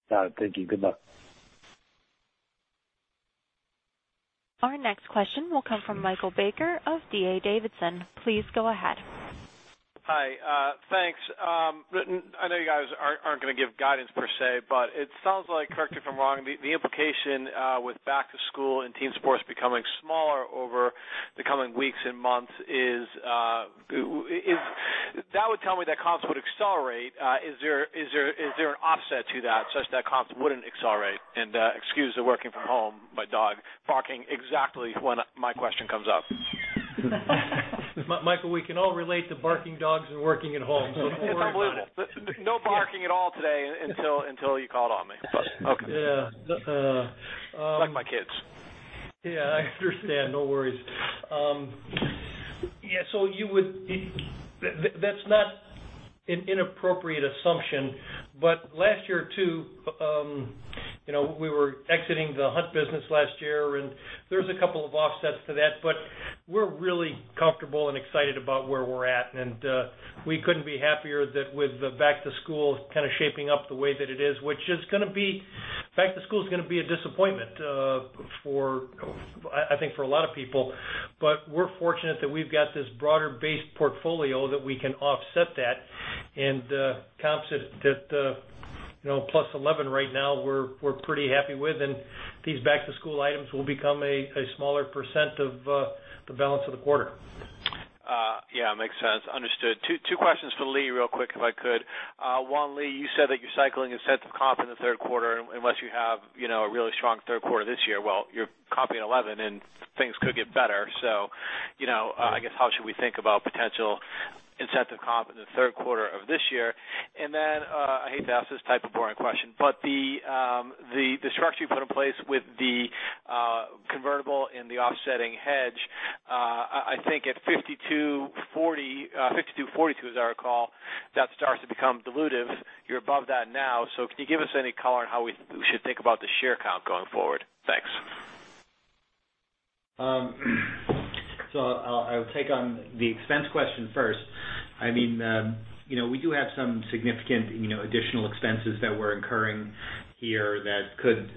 Got it. Thank you. Good luck. Our next question will come from Michael Baker of D.A. Davidson. Please go ahead. Hi. Thanks. I know you guys aren't going to give guidance per se, but it sounds like, correct me if I'm wrong, the implication with back-to-school and team sports becoming smaller over the coming weeks and months is. That would tell me that comps would accelerate. Is there an offset to that such that comps wouldn't accelerate? Excuse the working from home, my dog barking exactly when my question comes up. Michael, we can all relate to barking dogs and working at home, so don't worry about it. It's unbelievable. No barking at all today until you called on me. Okay. Yeah. Like my kids. Yeah, I understand. No worries. That's not an inappropriate assumption, but last year, too, we were exiting the hunt business last year, and there's a couple of offsets to that, but we're really comfortable and excited about where we're at. We couldn't be happier that with the Back to school kind of shaping up the way that it is, which is going to be. Back to school is going to be a disappointment, I think for a lot of people. We're fortunate that we've got this broader base portfolio that we can offset that. Comps at the +11% right now, we're pretty happy with, and these back-to-school items will become a smaller percent of the balance of the quarter. Yeah, makes sense. Understood. Two questions for Lee real quick, if I could. One, Lee, you said that your cycling incentive comp in the third quarter, unless you have a really strong third quarter this year, well, you're comping 11%. Things could get better. I guess how should we think about potential incentive comp in the third quarter of this year? I hate to ask this type of boring question. The structure you put in place with the convertible and the offsetting hedge, I think at $52.40, $52.42, as I recall, that starts to become dilutive. You're above that now. Can you give us any color on how we should think about the share count going forward? Thanks. I'll take on the expense question first. We do have some significant additional expenses that we're incurring here that could,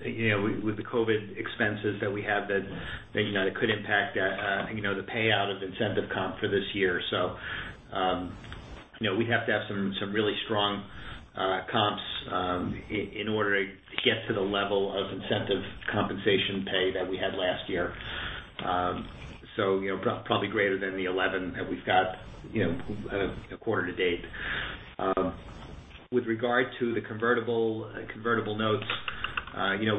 with the COVID-19 expenses that we have, that could impact the payout of incentive comp for this year. We have to have some really strong comps in order to get to the level of incentive compensation pay that we had last year. Probably greater than the 11% that we've got quarter to date. With regard to the convertible notes,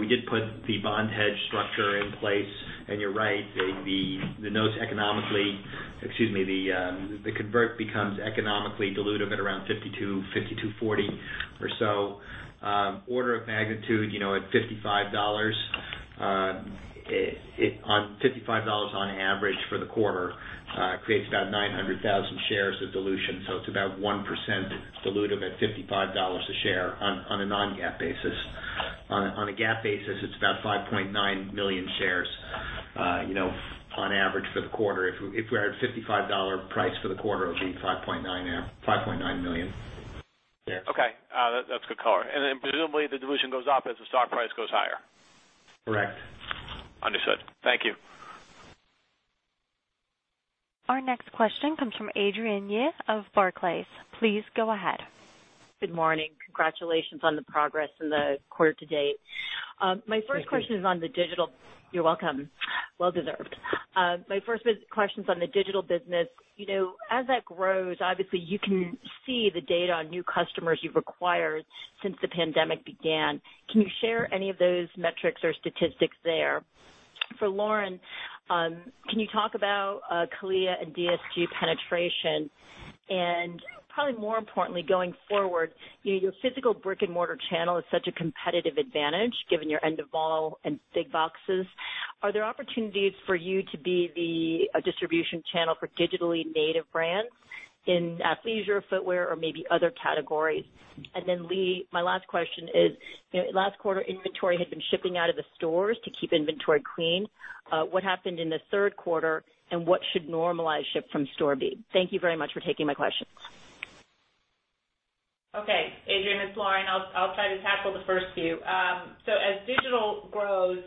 we did put the bond hedge structure in place, and you're right, the notes economically, the convert becomes economically dilutive at around $52, $52.40 or so. Order of magnitude at $55 on average for the quarter creates about 900,000 shares of dilution. It's about 1% dilutive at $55 a share on a non-GAAP basis. On a GAAP basis, it's about 5.9 million shares, on average for the quarter. If we had a $55 price for the quarter, it would be 5.9 million shares. Okay. That's good color. Presumably, the dilution goes up as the stock price goes higher. Correct. Understood. Thank you. Our next question comes from Adrienne Yih of Barclays. Please go ahead. Good morning. Congratulations on the progress in the quarter to date. Thank you. You're welcome. Well deserved. My first question's on the digital business. As that grows, obviously you can see the data on new customers you've acquired since the pandemic began. Can you share any of those metrics or statistics there? For Lauren, can you talk about CALIA and DSG penetration? Probably more importantly, going forward, your physical brick and mortar channel is such a competitive advantage given your end of mall and big boxes. Are there opportunities for you to be the distribution channel for digitally native brands in athleisure, footwear, or maybe other categories? Then Lee, my last question is, last quarter inventory had been shipping out of the stores to keep inventory clean. What happened in the third quarter, and what should normalized ship from store be? Thank you very much for taking my questions. Okay. Adrienne, it's Lauren. I'll try to tackle the first few. As digital grows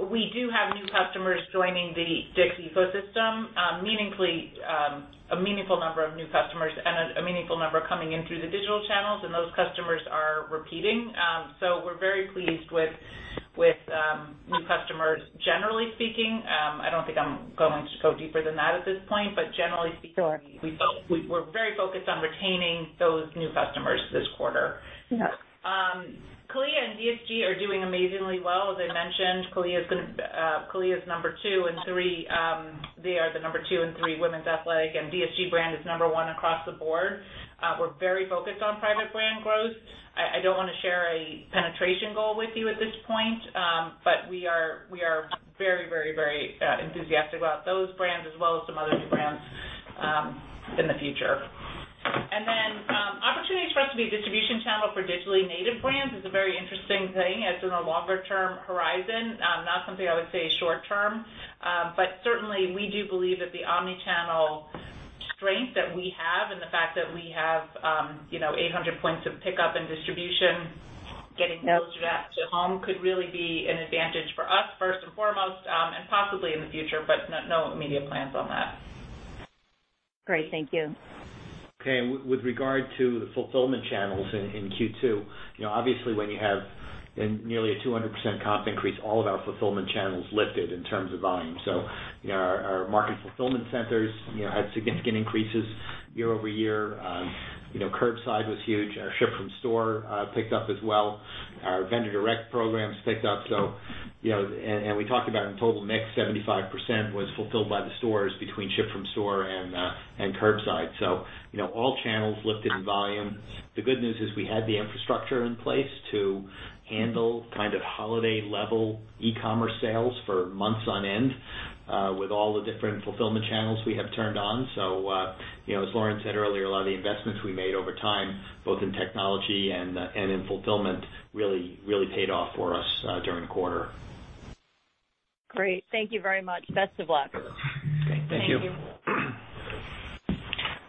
We do have new customers joining the DICK’S ecosystem, a meaningful number of new customers and a meaningful number coming in through the digital channels, and those customers are repeating. We're very pleased with new customers, generally speaking. I don't think I'm going to go deeper than that at this point. Sure. We're very focused on retaining those new customers this quarter. Yes. CALIA and DSG are doing amazingly well. As I mentioned, CALIA is number two and three. They are the number two and three women's athletic, and DSG Brand is number one across the board. We're very focused on private brand growth. I don't want to share a penetration goal with you at this point. We are very enthusiastic about those brands, as well as some other new brands in the future. Opportunity for us to be a distribution channel for digitally native brands is a very interesting thing. It's in a longer-term horizon, not something I would say is short term. Certainly, we do believe that the omni-channel strength that we have and the fact that we have 800 points of pickup and distribution, getting closer to that to home, could really be an advantage for us, first and foremost, and possibly in the future, but no immediate plans on that. Great. Thank you. With regard to the fulfillment channels in Q2, obviously when you have nearly a 200% comp increase, all of our fulfillment channels lifted in terms of volume. Our market fulfillment centers had significant increases year-over-year. Curbside was huge. Our ship from store picked up as well. Our vendor direct programs picked up. We talked about in total mix, 75% was fulfilled by the stores between ship from store and curbside. All channels lifted in volume. The good news is we had the infrastructure in place to handle kind of holiday level e-commerce sales for months on end with all the different fulfillment channels we have turned on. As Lauren said earlier, a lot of the investments we made over time, both in technology and in fulfillment, really paid off for us during the quarter. Great. Thank you very much. Best of luck. Okay. Thank you. Thank you.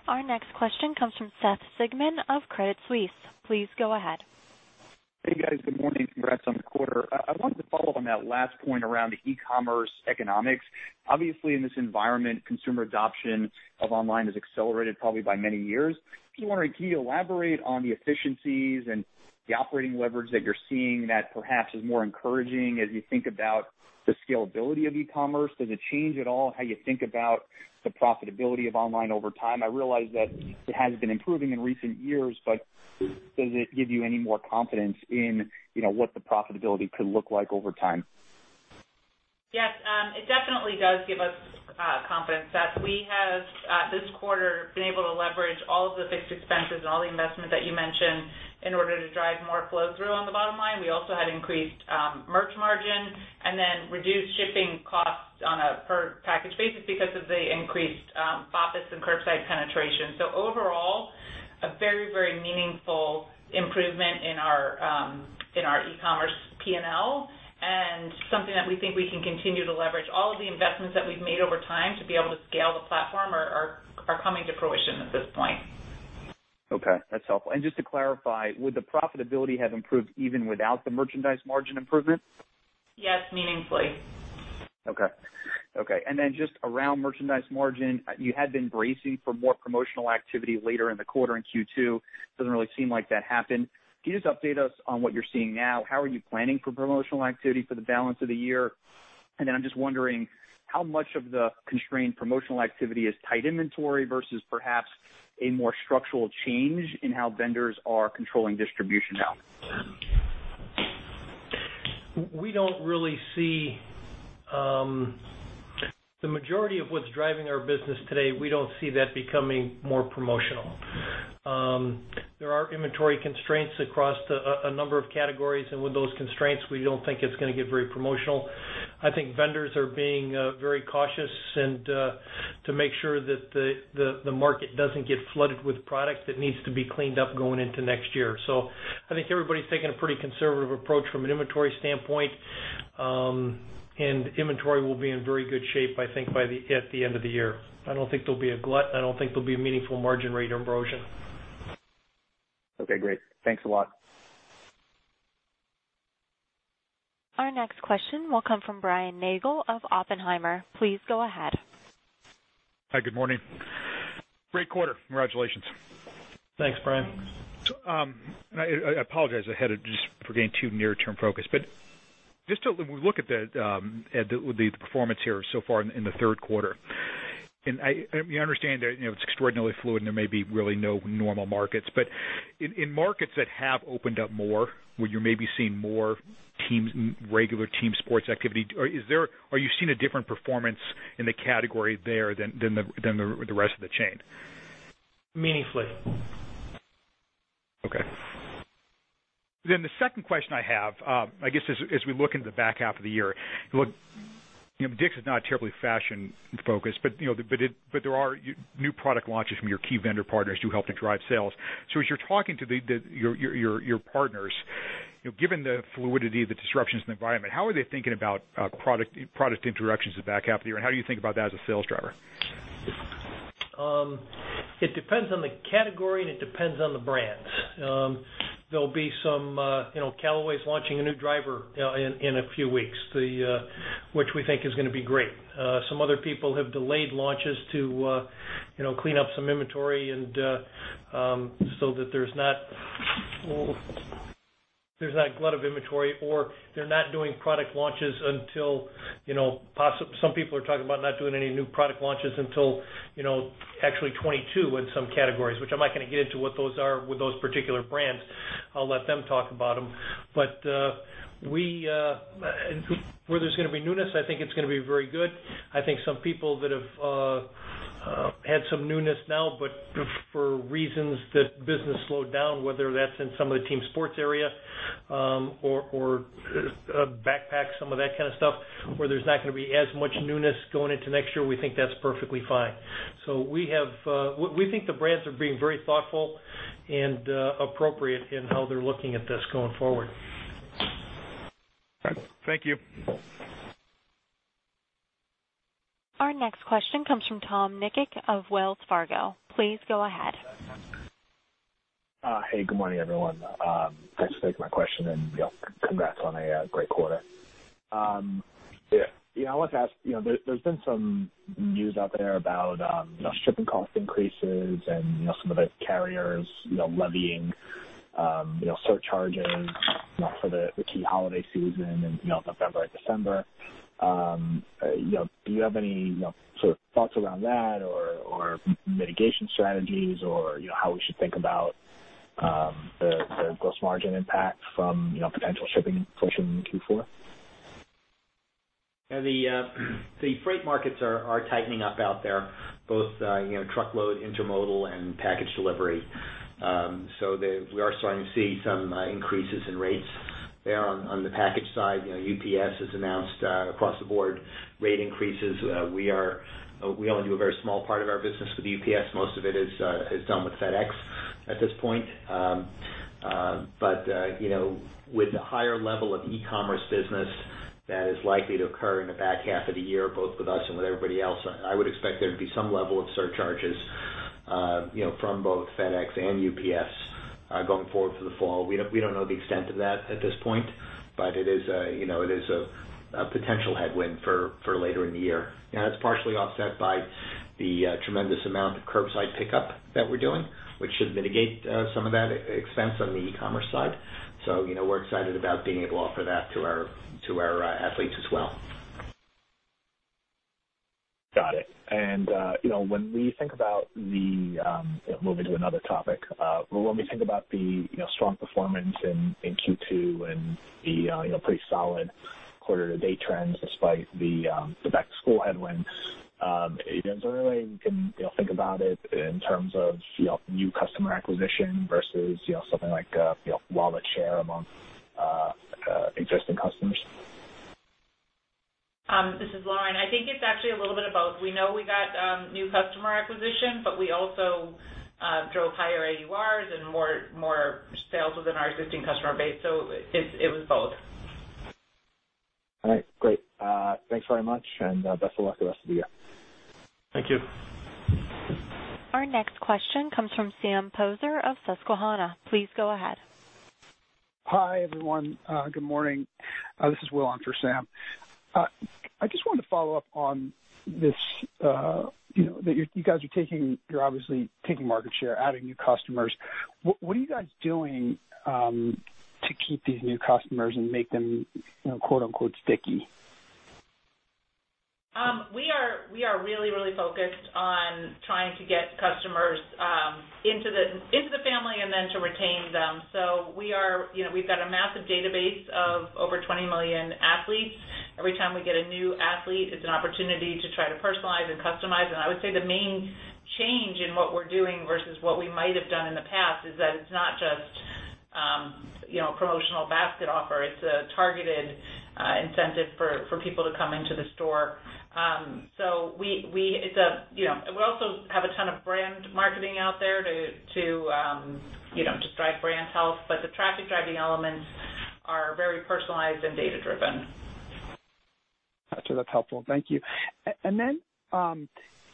Our next question comes from Seth Sigman of Credit Suisse. Please go ahead. Hey, guys. Good morning. Congrats on the quarter. I wanted to follow up on that last point around the e-commerce economics. Obviously, in this environment, consumer adoption of online has accelerated probably by many years. Just wondering, can you elaborate on the efficiencies and the operating leverage that you're seeing that perhaps is more encouraging as you think about the scalability of e-commerce? Does it change at all how you think about the profitability of online over time? I realize that it has been improving in recent years, but does it give you any more confidence in what the profitability could look like over time? Yes. It definitely does give us confidence that we have, this quarter, been able to leverage all of the fixed expenses and all the investment that you mentioned in order to drive more flow through on the bottom line. We also had increased merch margin and then reduced shipping costs on a per package basis because of the increased BOPIS and curbside penetration. Overall, a very meaningful improvement in our e-commerce P&L, and something that we think we can continue to leverage. All of the investments that we've made over time to be able to scale the platform are coming to fruition at this point. Okay, that's helpful. Just to clarify, would the profitability have improved even without the merchandise margin improvement? Yes, meaningfully. Okay. Just around merchandise margin, you had been bracing for more promotional activity later in the quarter in Q2. Doesn't really seem like that happened. Can you just update us on what you're seeing now? How are you planning for promotional activity for the balance of the year? I'm just wondering, how much of the constrained promotional activity is tight inventory versus perhaps a more structural change in how vendors are controlling distribution now? We don't really see the majority of what's driving our business today becoming more promotional. There are inventory constraints across a number of categories, and with those constraints, we don't think it's going to get very promotional. I think vendors are being very cautious to make sure that the market doesn't get flooded with product that needs to be cleaned up going into next year. I think everybody's taking a pretty conservative approach from an inventory standpoint. Inventory will be in very good shape, I think, by the end of the year. I don't think there'll be a glut. I don't think there'll be a meaningful margin rate erosion. Okay, great. Thanks a lot. Our next question will come from Brian Nagel of Oppenheimer. Please go ahead. Hi, good morning. Great quarter. Congratulations. Thanks, Brian. I apologize ahead just for getting too near-term focused, but just when we look at the performance here so far in the third quarter, and we understand that it's extraordinarily fluid and there may be really no normal markets. In markets that have opened up more, where you're maybe seeing more regular team sports activity, are you seeing a different performance in the category there than the rest of the chain? Meaningfully. Okay. The second question I have, I guess, as we look into the back half of the year. Look, DICK'S is not terribly fashion focused, but there are new product launches from your key vendor partners to help to drive sales. As you're talking to your partners, given the fluidity, the disruptions in the environment, how are they thinking about product introductions the back half of the year? How do you think about that as a sales driver? It depends on the category, and it depends on the brands. There'll be Callaway's launching a new driver in a few weeks, which we think is going to be great. Some other people have delayed launches to clean up some inventory and so that there's not a glut of inventory, or they're not doing product launches until Some people are talking about not doing any new product launches until actually 2022 in some categories. I'm not going to get into what those are with those particular brands. I'll let them talk about them. Where there's going to be newness, I think it's going to be very good. I think some people that have had some newness now, but for reasons that business slowed down, whether that's in some of the team sports area or backpacks, some of that kind of stuff, where there's not going to be as much newness going into next year, we think that's perfectly fine. We think the brands are being very thoughtful and appropriate in how they're looking at this going forward. Thank you. Our next question comes from Tom Nikic of Wells Fargo. Please go ahead. Hey, good morning, everyone. Thanks for taking my question, and congrats on a great quarter. Yeah. I wanted to ask, there has been some news out there about shipping cost increases and some of the carriers levying surcharges for the key holiday season in November and December. Do you have any sort of thoughts around that, or mitigation strategies, or how we should think about the gross margin impact from potential shipping inflation in Q4? The freight markets are tightening up out there, both truckload, intermodal, and package delivery. We are starting to see some increases in rates there on the package side. UPS has announced across-the-board rate increases. We only do a very small part of our business with UPS. Most of it is done with FedEx at this point. With the higher level of e-commerce business that is likely to occur in the back half of the year, both with us and with everybody else, I would expect there to be some level of surcharges from both FedEx and UPS going forward for the fall. We don't know the extent of that at this point, but it is a potential headwind for later in the year. It's partially offset by the tremendous amount of curbside pickup that we're doing, which should mitigate some of that expense on the e-commerce side. We're excited about being able to offer that to our athletes as well. Got it. Moving to another topic, when we think about the strong performance in Q2 and the pretty solid quarter-to-date trends despite the back-to-school headwinds, is there a way we can think about it in terms of new customer acquisition versus something like wallet share among existing customers? This is Lauren. I think it's actually a little bit of both. We know we got new customer acquisition, but we also drove higher AURs and more sales within our existing customer base. It was both. All right, great. Thanks very much, and best of luck the rest of the year. Thank you. Our next question comes from Sam Poser of Susquehanna. Please go ahead. Hi, everyone. Good morning. This is Will on for Sam. I just wanted to follow up on this, that you guys are obviously taking market share, adding new customers. What are you guys doing to keep these new customers and make them, quote-unquote, "sticky"? We are really, really focused on trying to get customers into the family and then to retain them. We've got a massive database of over 20 million athletes. Every time we get a new athlete, it's an opportunity to try to personalize and customize. I would say the main change in what we're doing versus what we might have done in the past is that it's not just a promotional basket offer. It's a targeted incentive for people to come into the store. We also have a ton of brand marketing out there to drive brand health, but the traffic-driving elements are very personalized and data-driven. That's helpful. Thank you.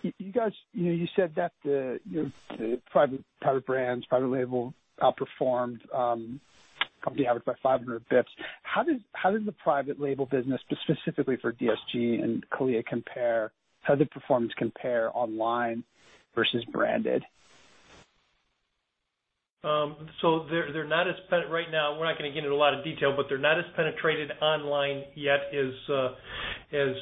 You said that the private brands, private label outperformed company average by 500 basis points. How does the private label business, specifically for DSG and CALIA, how does it performance compare online versus branded? Right now, we're not going to get into a lot of detail. They're not as penetrated online yet as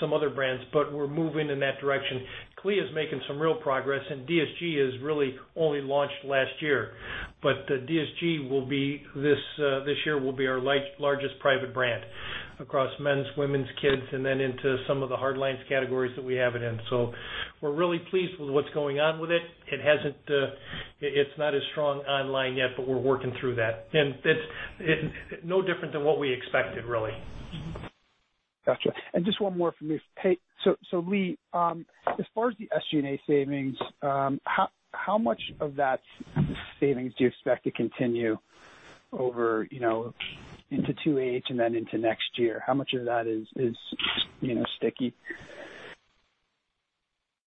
some other brands. We're moving in that direction. CALIA is making some real progress. DSG has really only launched last year. DSG this year will be our largest private brand across men's, women's, kids, and then into some of the hardlines categories that we have it in. We're really pleased with what's going on with it. It's not as strong online yet. We're working through that. It's no different than what we expected, really. Got you. Just one more from me. Hey, Lee, as far as the SG&A savings, how much of that savings do you expect to continue over into 2H and then into next year. How much of that is sticky?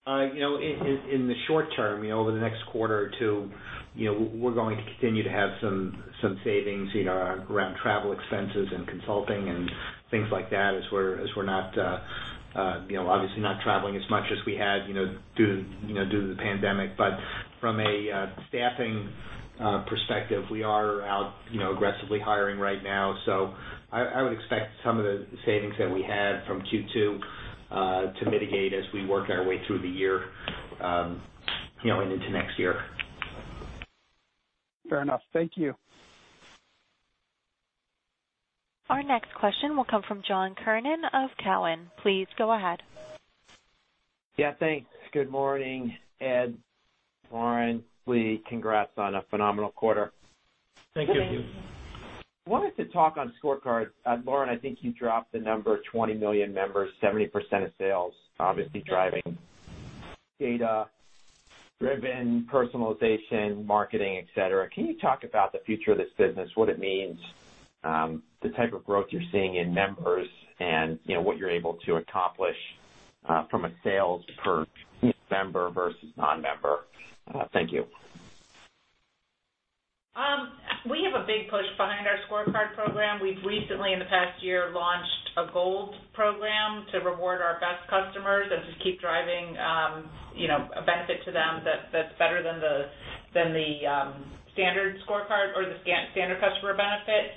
In the short term, over the next quarter or two, we're going to continue to have some savings around travel expenses and consulting and things like that as we're obviously not traveling as much as we had due to the pandemic. From a staffing perspective, we are out aggressively hiring right now. I would expect some of the savings that we had from Q2 to mitigate as we work our way through the year and into next year. Fair enough. Thank you. Our next question will come from John Kernan of Cowen. Please go ahead. Yeah, thanks. Good morning, Ed, Lauren. Congrats on a phenomenal quarter. Thank you. I wanted to talk on ScoreCard. Lauren, I think you dropped the number 20 million members, 70% of sales, obviously driving data-driven personalization, marketing, et cetera. Can you talk about the future of this business, what it means, the type of growth you're seeing in members, and what you're able to accomplish from a sales per member versus non-member? Thank you. We have a big push behind our ScoreCard program. We've recently, in the past year, launched a gold program to reward our best customers and just keep driving a benefit to them that's better than the standard ScoreCard or the standard customer benefit.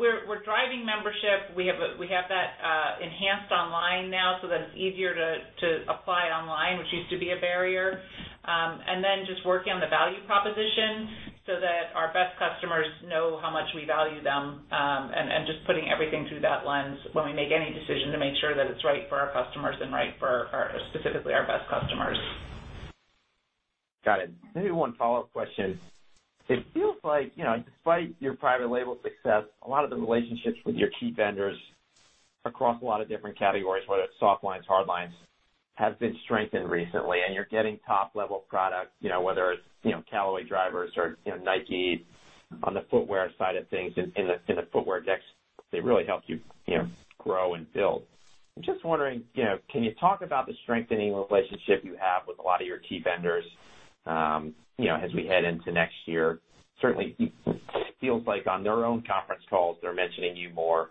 We're driving membership. We have that enhanced online now so that it's easier to apply online, which used to be a barrier. Just working on the value proposition so that our best customers know how much we value them, and just putting everything through that lens when we make any decision to make sure that it's right for our customers and right for specifically our best customers. Got it. Maybe one follow-up question. It feels like despite your private label success, a lot of the relationships with your key vendors across a lot of different categories, whether it's soft lines, hard lines, have been strengthened recently, and you're getting top-level product, whether it's Callaway drivers or Nike on the footwear side of things in the footwear decks, they really help you grow and build. I'm just wondering, can you talk about the strengthening relationship you have with a lot of your key vendors as we head into next year? Certainly, it feels like on their own conference calls, they're mentioning you more.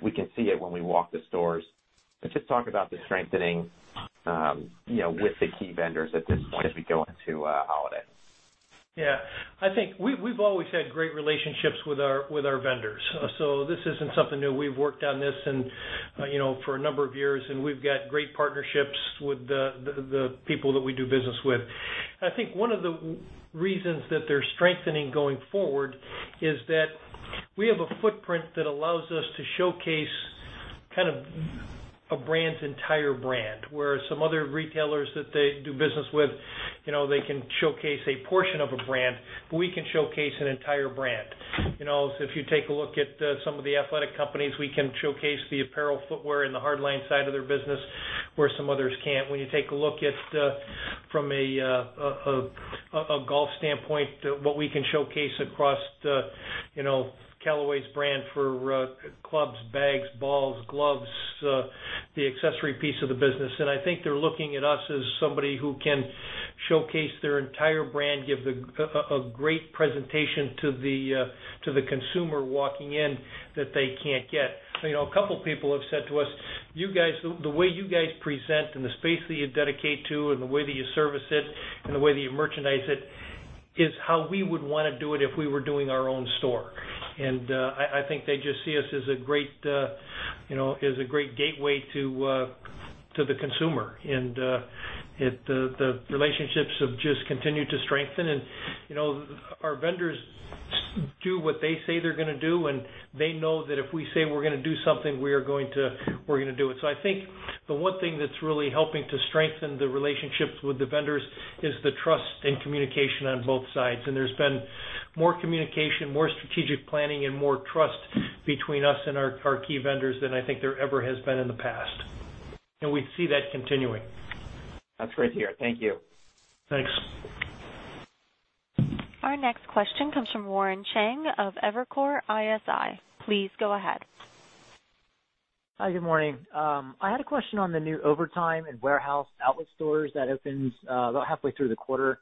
We can see it when we walk the stores. Just talk about the strengthening with the key vendors at this point as we go into holiday. I think we've always had great relationships with our vendors. This isn't something new. We've worked on this for a number of years, and we've got great partnerships with the people that we do business with. I think one of the reasons that they're strengthening going forward is that we have a footprint that allows us to showcase a brand's entire brand, where some other retailers that they do business with, they can showcase a portion of a brand, but we can showcase an entire brand. If you take a look at some of the athletic companies, we can showcase the apparel, footwear, and the hard line side of their business where some others can't. When you take a look at, from a golf standpoint, what we can showcase across Callaway's brand for clubs, bags, balls, gloves, the accessory piece of the business. I think they're looking at us as somebody who can showcase their entire brand, give a great presentation to the consumer walking in that they can't get. A couple of people have said to us, "The way you guys present and the space that you dedicate to and the way that you service it and the way that you merchandise it is how we would want to do it if we were doing our own store." I think they just see us as a great gateway to the consumer. The relationships have just continued to strengthen. Our vendors do what they say they're going to do, and they know that if we say we're going to do something, we're going to do it. I think the one thing that's really helping to strengthen the relationships with the vendors is the trust and communication on both sides. There's been more communication, more strategic planning, and more trust between us and our key vendors than I think there ever has been in the past. We see that continuing. That's great to hear. Thank you. Thanks. Our next question comes from Warren Cheng of Evercore ISI. Please go ahead. Hi, good morning. I had a question on the new off-price and warehouse outlet stores that opened about halfway through the quarter.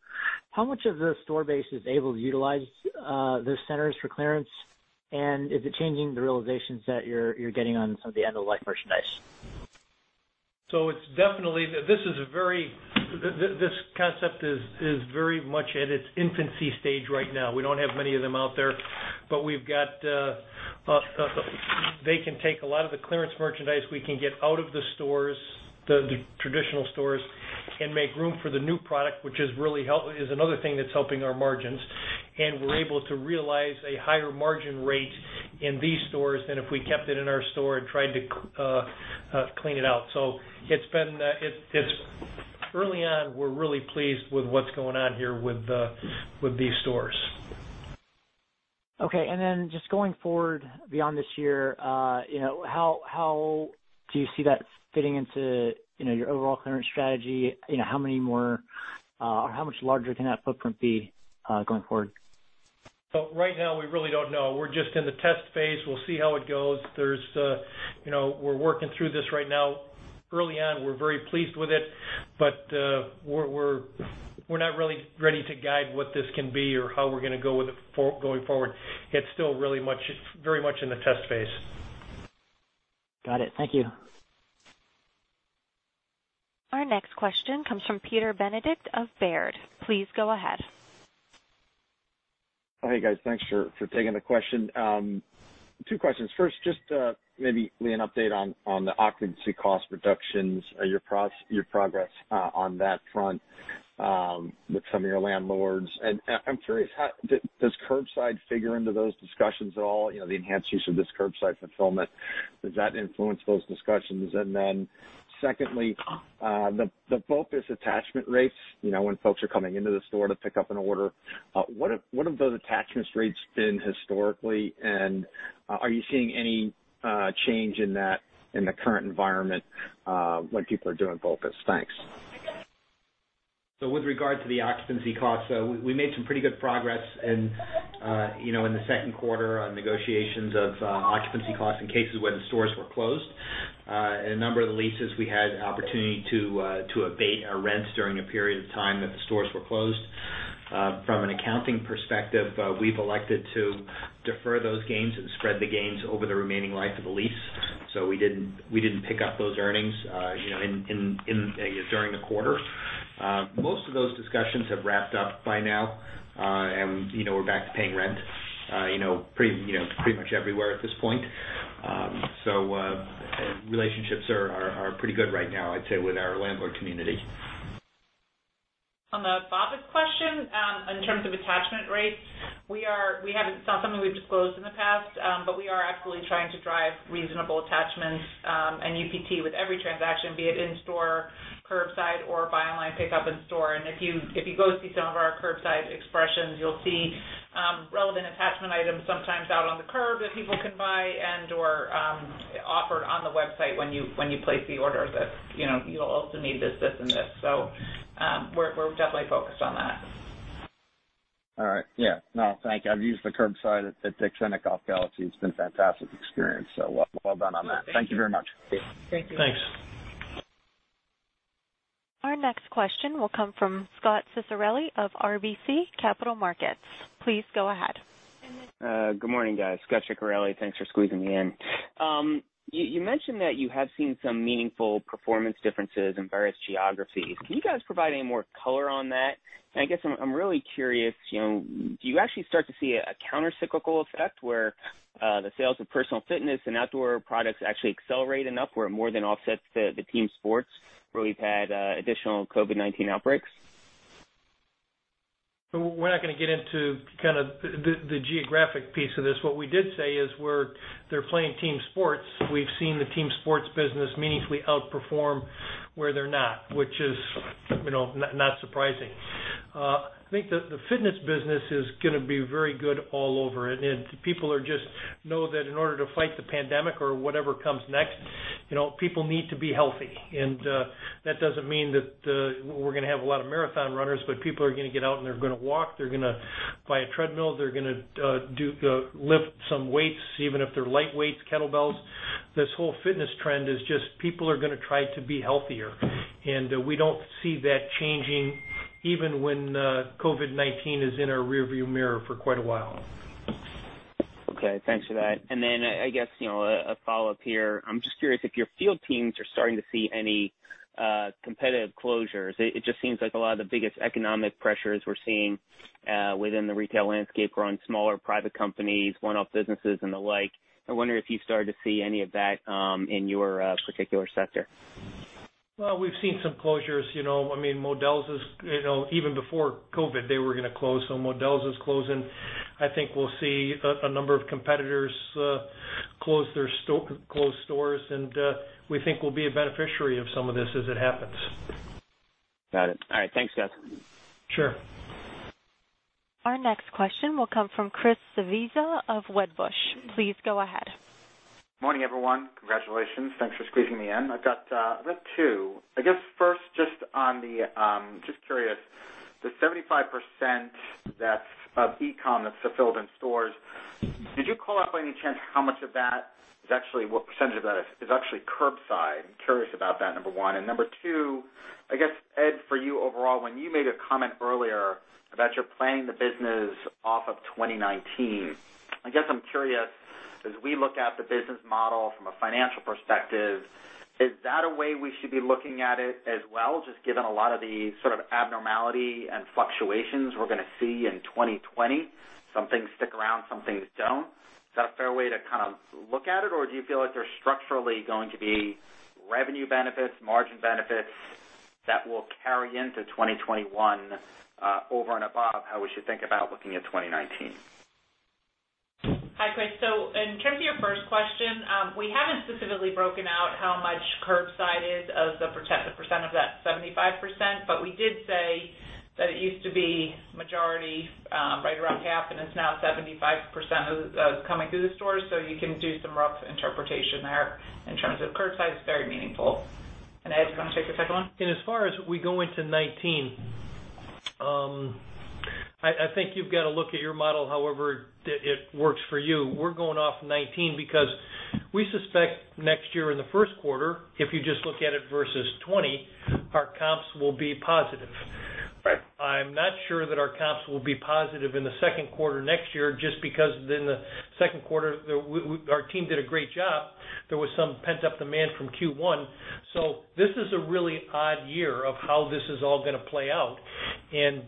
How much of the store base is able to utilize those centers for clearance, and is it changing the realizations that you're getting on some of the end-of-life merchandise? This concept is very much at its infancy stage right now. We don't have many of them out there, but they can take a lot of the clearance merchandise we can get out of the stores, the traditional stores, and make room for the new product, which is another thing that's helping our margins. We're able to realize a higher margin rate in these stores than if we kept it in our store and tried to clean it out. Early on, we're really pleased with what's going on here with these stores. Okay. Just going forward beyond this year, how do you see that fitting into your overall clearance strategy? How much larger can that footprint be going forward? Right now we really don't know. We're just in the test phase. We'll see how it goes. We're working through this right now. Early on, we're very pleased with it, but we're not really ready to guide what this can be or how we're going to go with it going forward. It's still very much in the test phase. Got it. Thank you. Our next question comes from Peter Benedict of Baird. Please go ahead. Hey, guys. Thanks for taking the question. Two questions. First, just maybe an update on the occupancy cost reductions, your progress on that front with some of your landlords. I'm curious, does curbside figure into those discussions at all? The enhanced use of this curbside fulfillment, does that influence those discussions? Secondly, the BOPIS attachment rates, when folks are coming into the store to pick up an order, what have those attachments rates been historically, and are you seeing any change in the current environment, when people are doing BOPIS? Thanks. With regard to the occupancy costs, we made some pretty good progress in the second quarter on negotiations of occupancy costs in cases where the stores were closed. A number of the leases, we had an opportunity to abate our rents during a period of time that the stores were closed. From an accounting perspective, we've elected to defer those gains and spread the gains over the remaining life of the lease. We didn't pick up those earnings during the quarter. Most of those discussions have wrapped up by now. We're back to paying rent pretty much everywhere at this point. Relationships are pretty good right now, I'd say, with our landlord community. On the BOPIS question, in terms of attachment rates, it's not something we've disclosed in the past. We are actively trying to drive reasonable attachments and UPT with every transaction, be it in store, curbside, or buy online, pick up in store. If you go see some of our curbside expressions, you'll see relevant attachment items sometimes out on the curb that people can buy and/or offered on the website when you place the order that you'll also need this and this. We're definitely focused on that. All right. Yeah. No, thank you. I've used the curbside at DICK'S. It's been a fantastic experience. Well done on that. Thank you very much. Thank you. Thanks. Our next question will come from Scot Ciccarelli of RBC Capital Markets. Please go ahead. Good morning, guys. Scot Ciccarelli, thanks for squeezing me in. You mentioned that you have seen some meaningful performance differences in various geographies. Can you guys provide any more color on that? I guess I'm really curious, do you actually start to see a countercyclical effect where the sales of personal fitness and outdoor products actually accelerate enough where it more than offsets the team sports where we've had additional COVID-19 outbreaks? We're not going to get into the geographic piece of this. What we did say is where they're playing team sports, we've seen the team sports business meaningfully outperform where they're not, which is not surprising. I think the fitness business is going to be very good all over, people just know that in order to fight the pandemic or whatever comes next, people need to be healthy. That doesn't mean that we're going to have a lot of marathon runners, but people are going to get out, and they're going to walk. They're going to buy a treadmill. They're going to lift some weights, even if they're light weights, kettlebells. This whole fitness trend is just people are going to try to be healthier. We don't see that changing even when COVID-19 is in our rear view mirror for quite a while. Okay. Thanks for that. I guess, a follow-up here. I'm just curious if your field teams are starting to see any competitive closures. It just seems like a lot of the biggest economic pressures we're seeing within the retail landscape are on smaller private companies, one-off businesses, and the like. I wonder if you've started to see any of that in your particular sector. Well, we've seen some closures. Modell's, even before COVID-19, They were going to close. Modell's is closing. I think we'll see a number of competitors close stores, and we think we'll be a beneficiary of some of this as it happens. Got it. All right. Thanks, guys. Sure. Our next question will come from Christopher Svezia of Wedbush. Please go ahead. Morning, everyone. Congratulations. Thanks for squeezing me in. I've got two. I guess first, just curious, the 75% of e-commerce that's fulfilled in stores, did you call out by any chance how much of that, what percentage of that is actually curbside? I'm curious about that, number one. Number two, I guess, Ed, for you overall, when you made a comment earlier about you're planning the business off of 2019, I guess I'm curious, as we look at the business model from a financial perspective, is that a way we should be looking at it as well, just given a lot of the abnormality and fluctuations we're going to see in 2020? Some things stick around, some things don't. Is that a fair way to look at it, or do you feel like there's structurally going to be revenue benefits, margin benefits that will carry into 2021 over and above how we should think about looking at 2019? Hi, Chris. In terms of your first question, we haven't specifically broken out how much curbside is of the percent of that 75%, but we did say that it used to be majority, right around half, and it's now 75% of coming through the stores. You can do some rough interpretation there in terms of curbside is very meaningful. Ed, can you take the second one? As far as we go into 2019, I think you've got to look at your model however it works for you. We're going off 2019 because we suspect next year in the first quarter, if you just look at it versus 2020, our comps will be positive. Right. I'm not sure that our comps will be positive in the second quarter 2021 just because the second quarter, our team did a great job. There was some pent-up demand from Q1. This is a really odd year of how this is all going to play out, and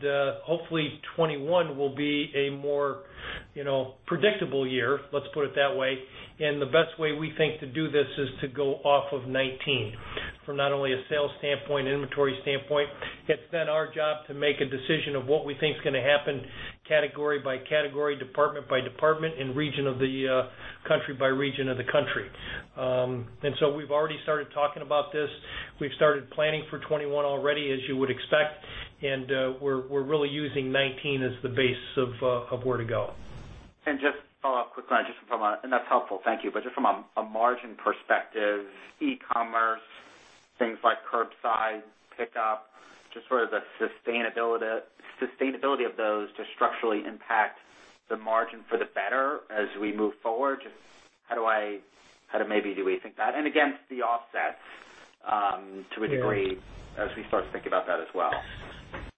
hopefully 2021 will be a more predictable year. Let's put it that way. The best way we think to do this is to go off of 2019 from not only a sales standpoint, an inventory standpoint. It's then our job to make a decision of what we think is going to happen category by category, department by department, and region of the country by region of the country. We've already started talking about this. We've started planning for 2021 already, as you would expect, and we're really using 2019 as the basis of where to go. Just follow up quickly on, and that's helpful, thank you. Just from a margin perspective, e-commerce, things like curbside pickup, just sort of the sustainability of those to structurally impact the margin for the better as we move forward. Just how do maybe we think that and against the offsets to a degree as we start to think about that as well?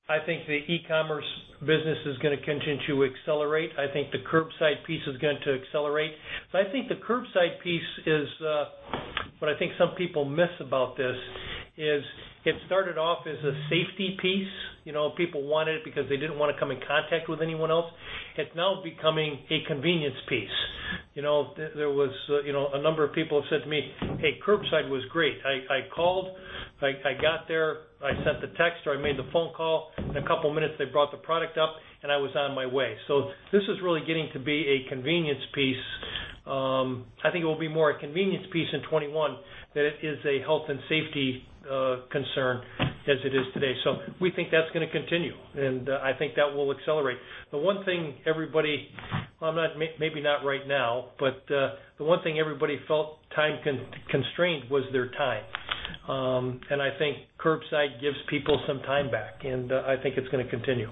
I think the e-commerce business is going to continue to accelerate. I think the curbside piece is going to accelerate. I think the curbside piece is what I think some people miss about this, is it started off as a safety piece. People wanted it because they didn't want to come in contact with anyone else. It's now becoming a convenience piece. There was a number of people who said to me, "Hey, curbside was great. I called, I got there, I sent the text or I made the phone call. In a couple of minutes, they brought the product up and I was on my way." This is really getting to be a convenience piece. I think it will be more a convenience piece in 2021 than it is a health and safety concern as it is today. We think that's going to continue, and I think that will accelerate. The one thing everybody, well maybe not right now, but the one thing everybody felt time-constrained was their time. I think curbside gives people some time back, and I think it's going to continue.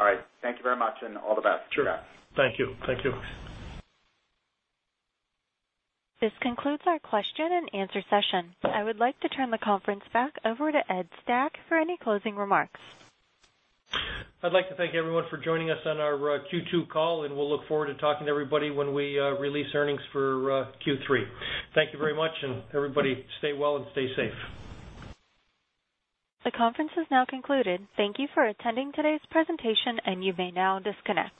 All right. Thank you very much and all the best. Sure. Thank you. This concludes our question-and-answer session. I would like to turn the conference back over to Ed Stack for any closing remarks. I'd like to thank everyone for joining us on our Q2 call, and we'll look forward to talking to everybody when we release earnings for Q3. Thank you very much, and everybody stay well and stay safe. The conference is now concluded. Thank you for attending today's presentation. You may now disconnect.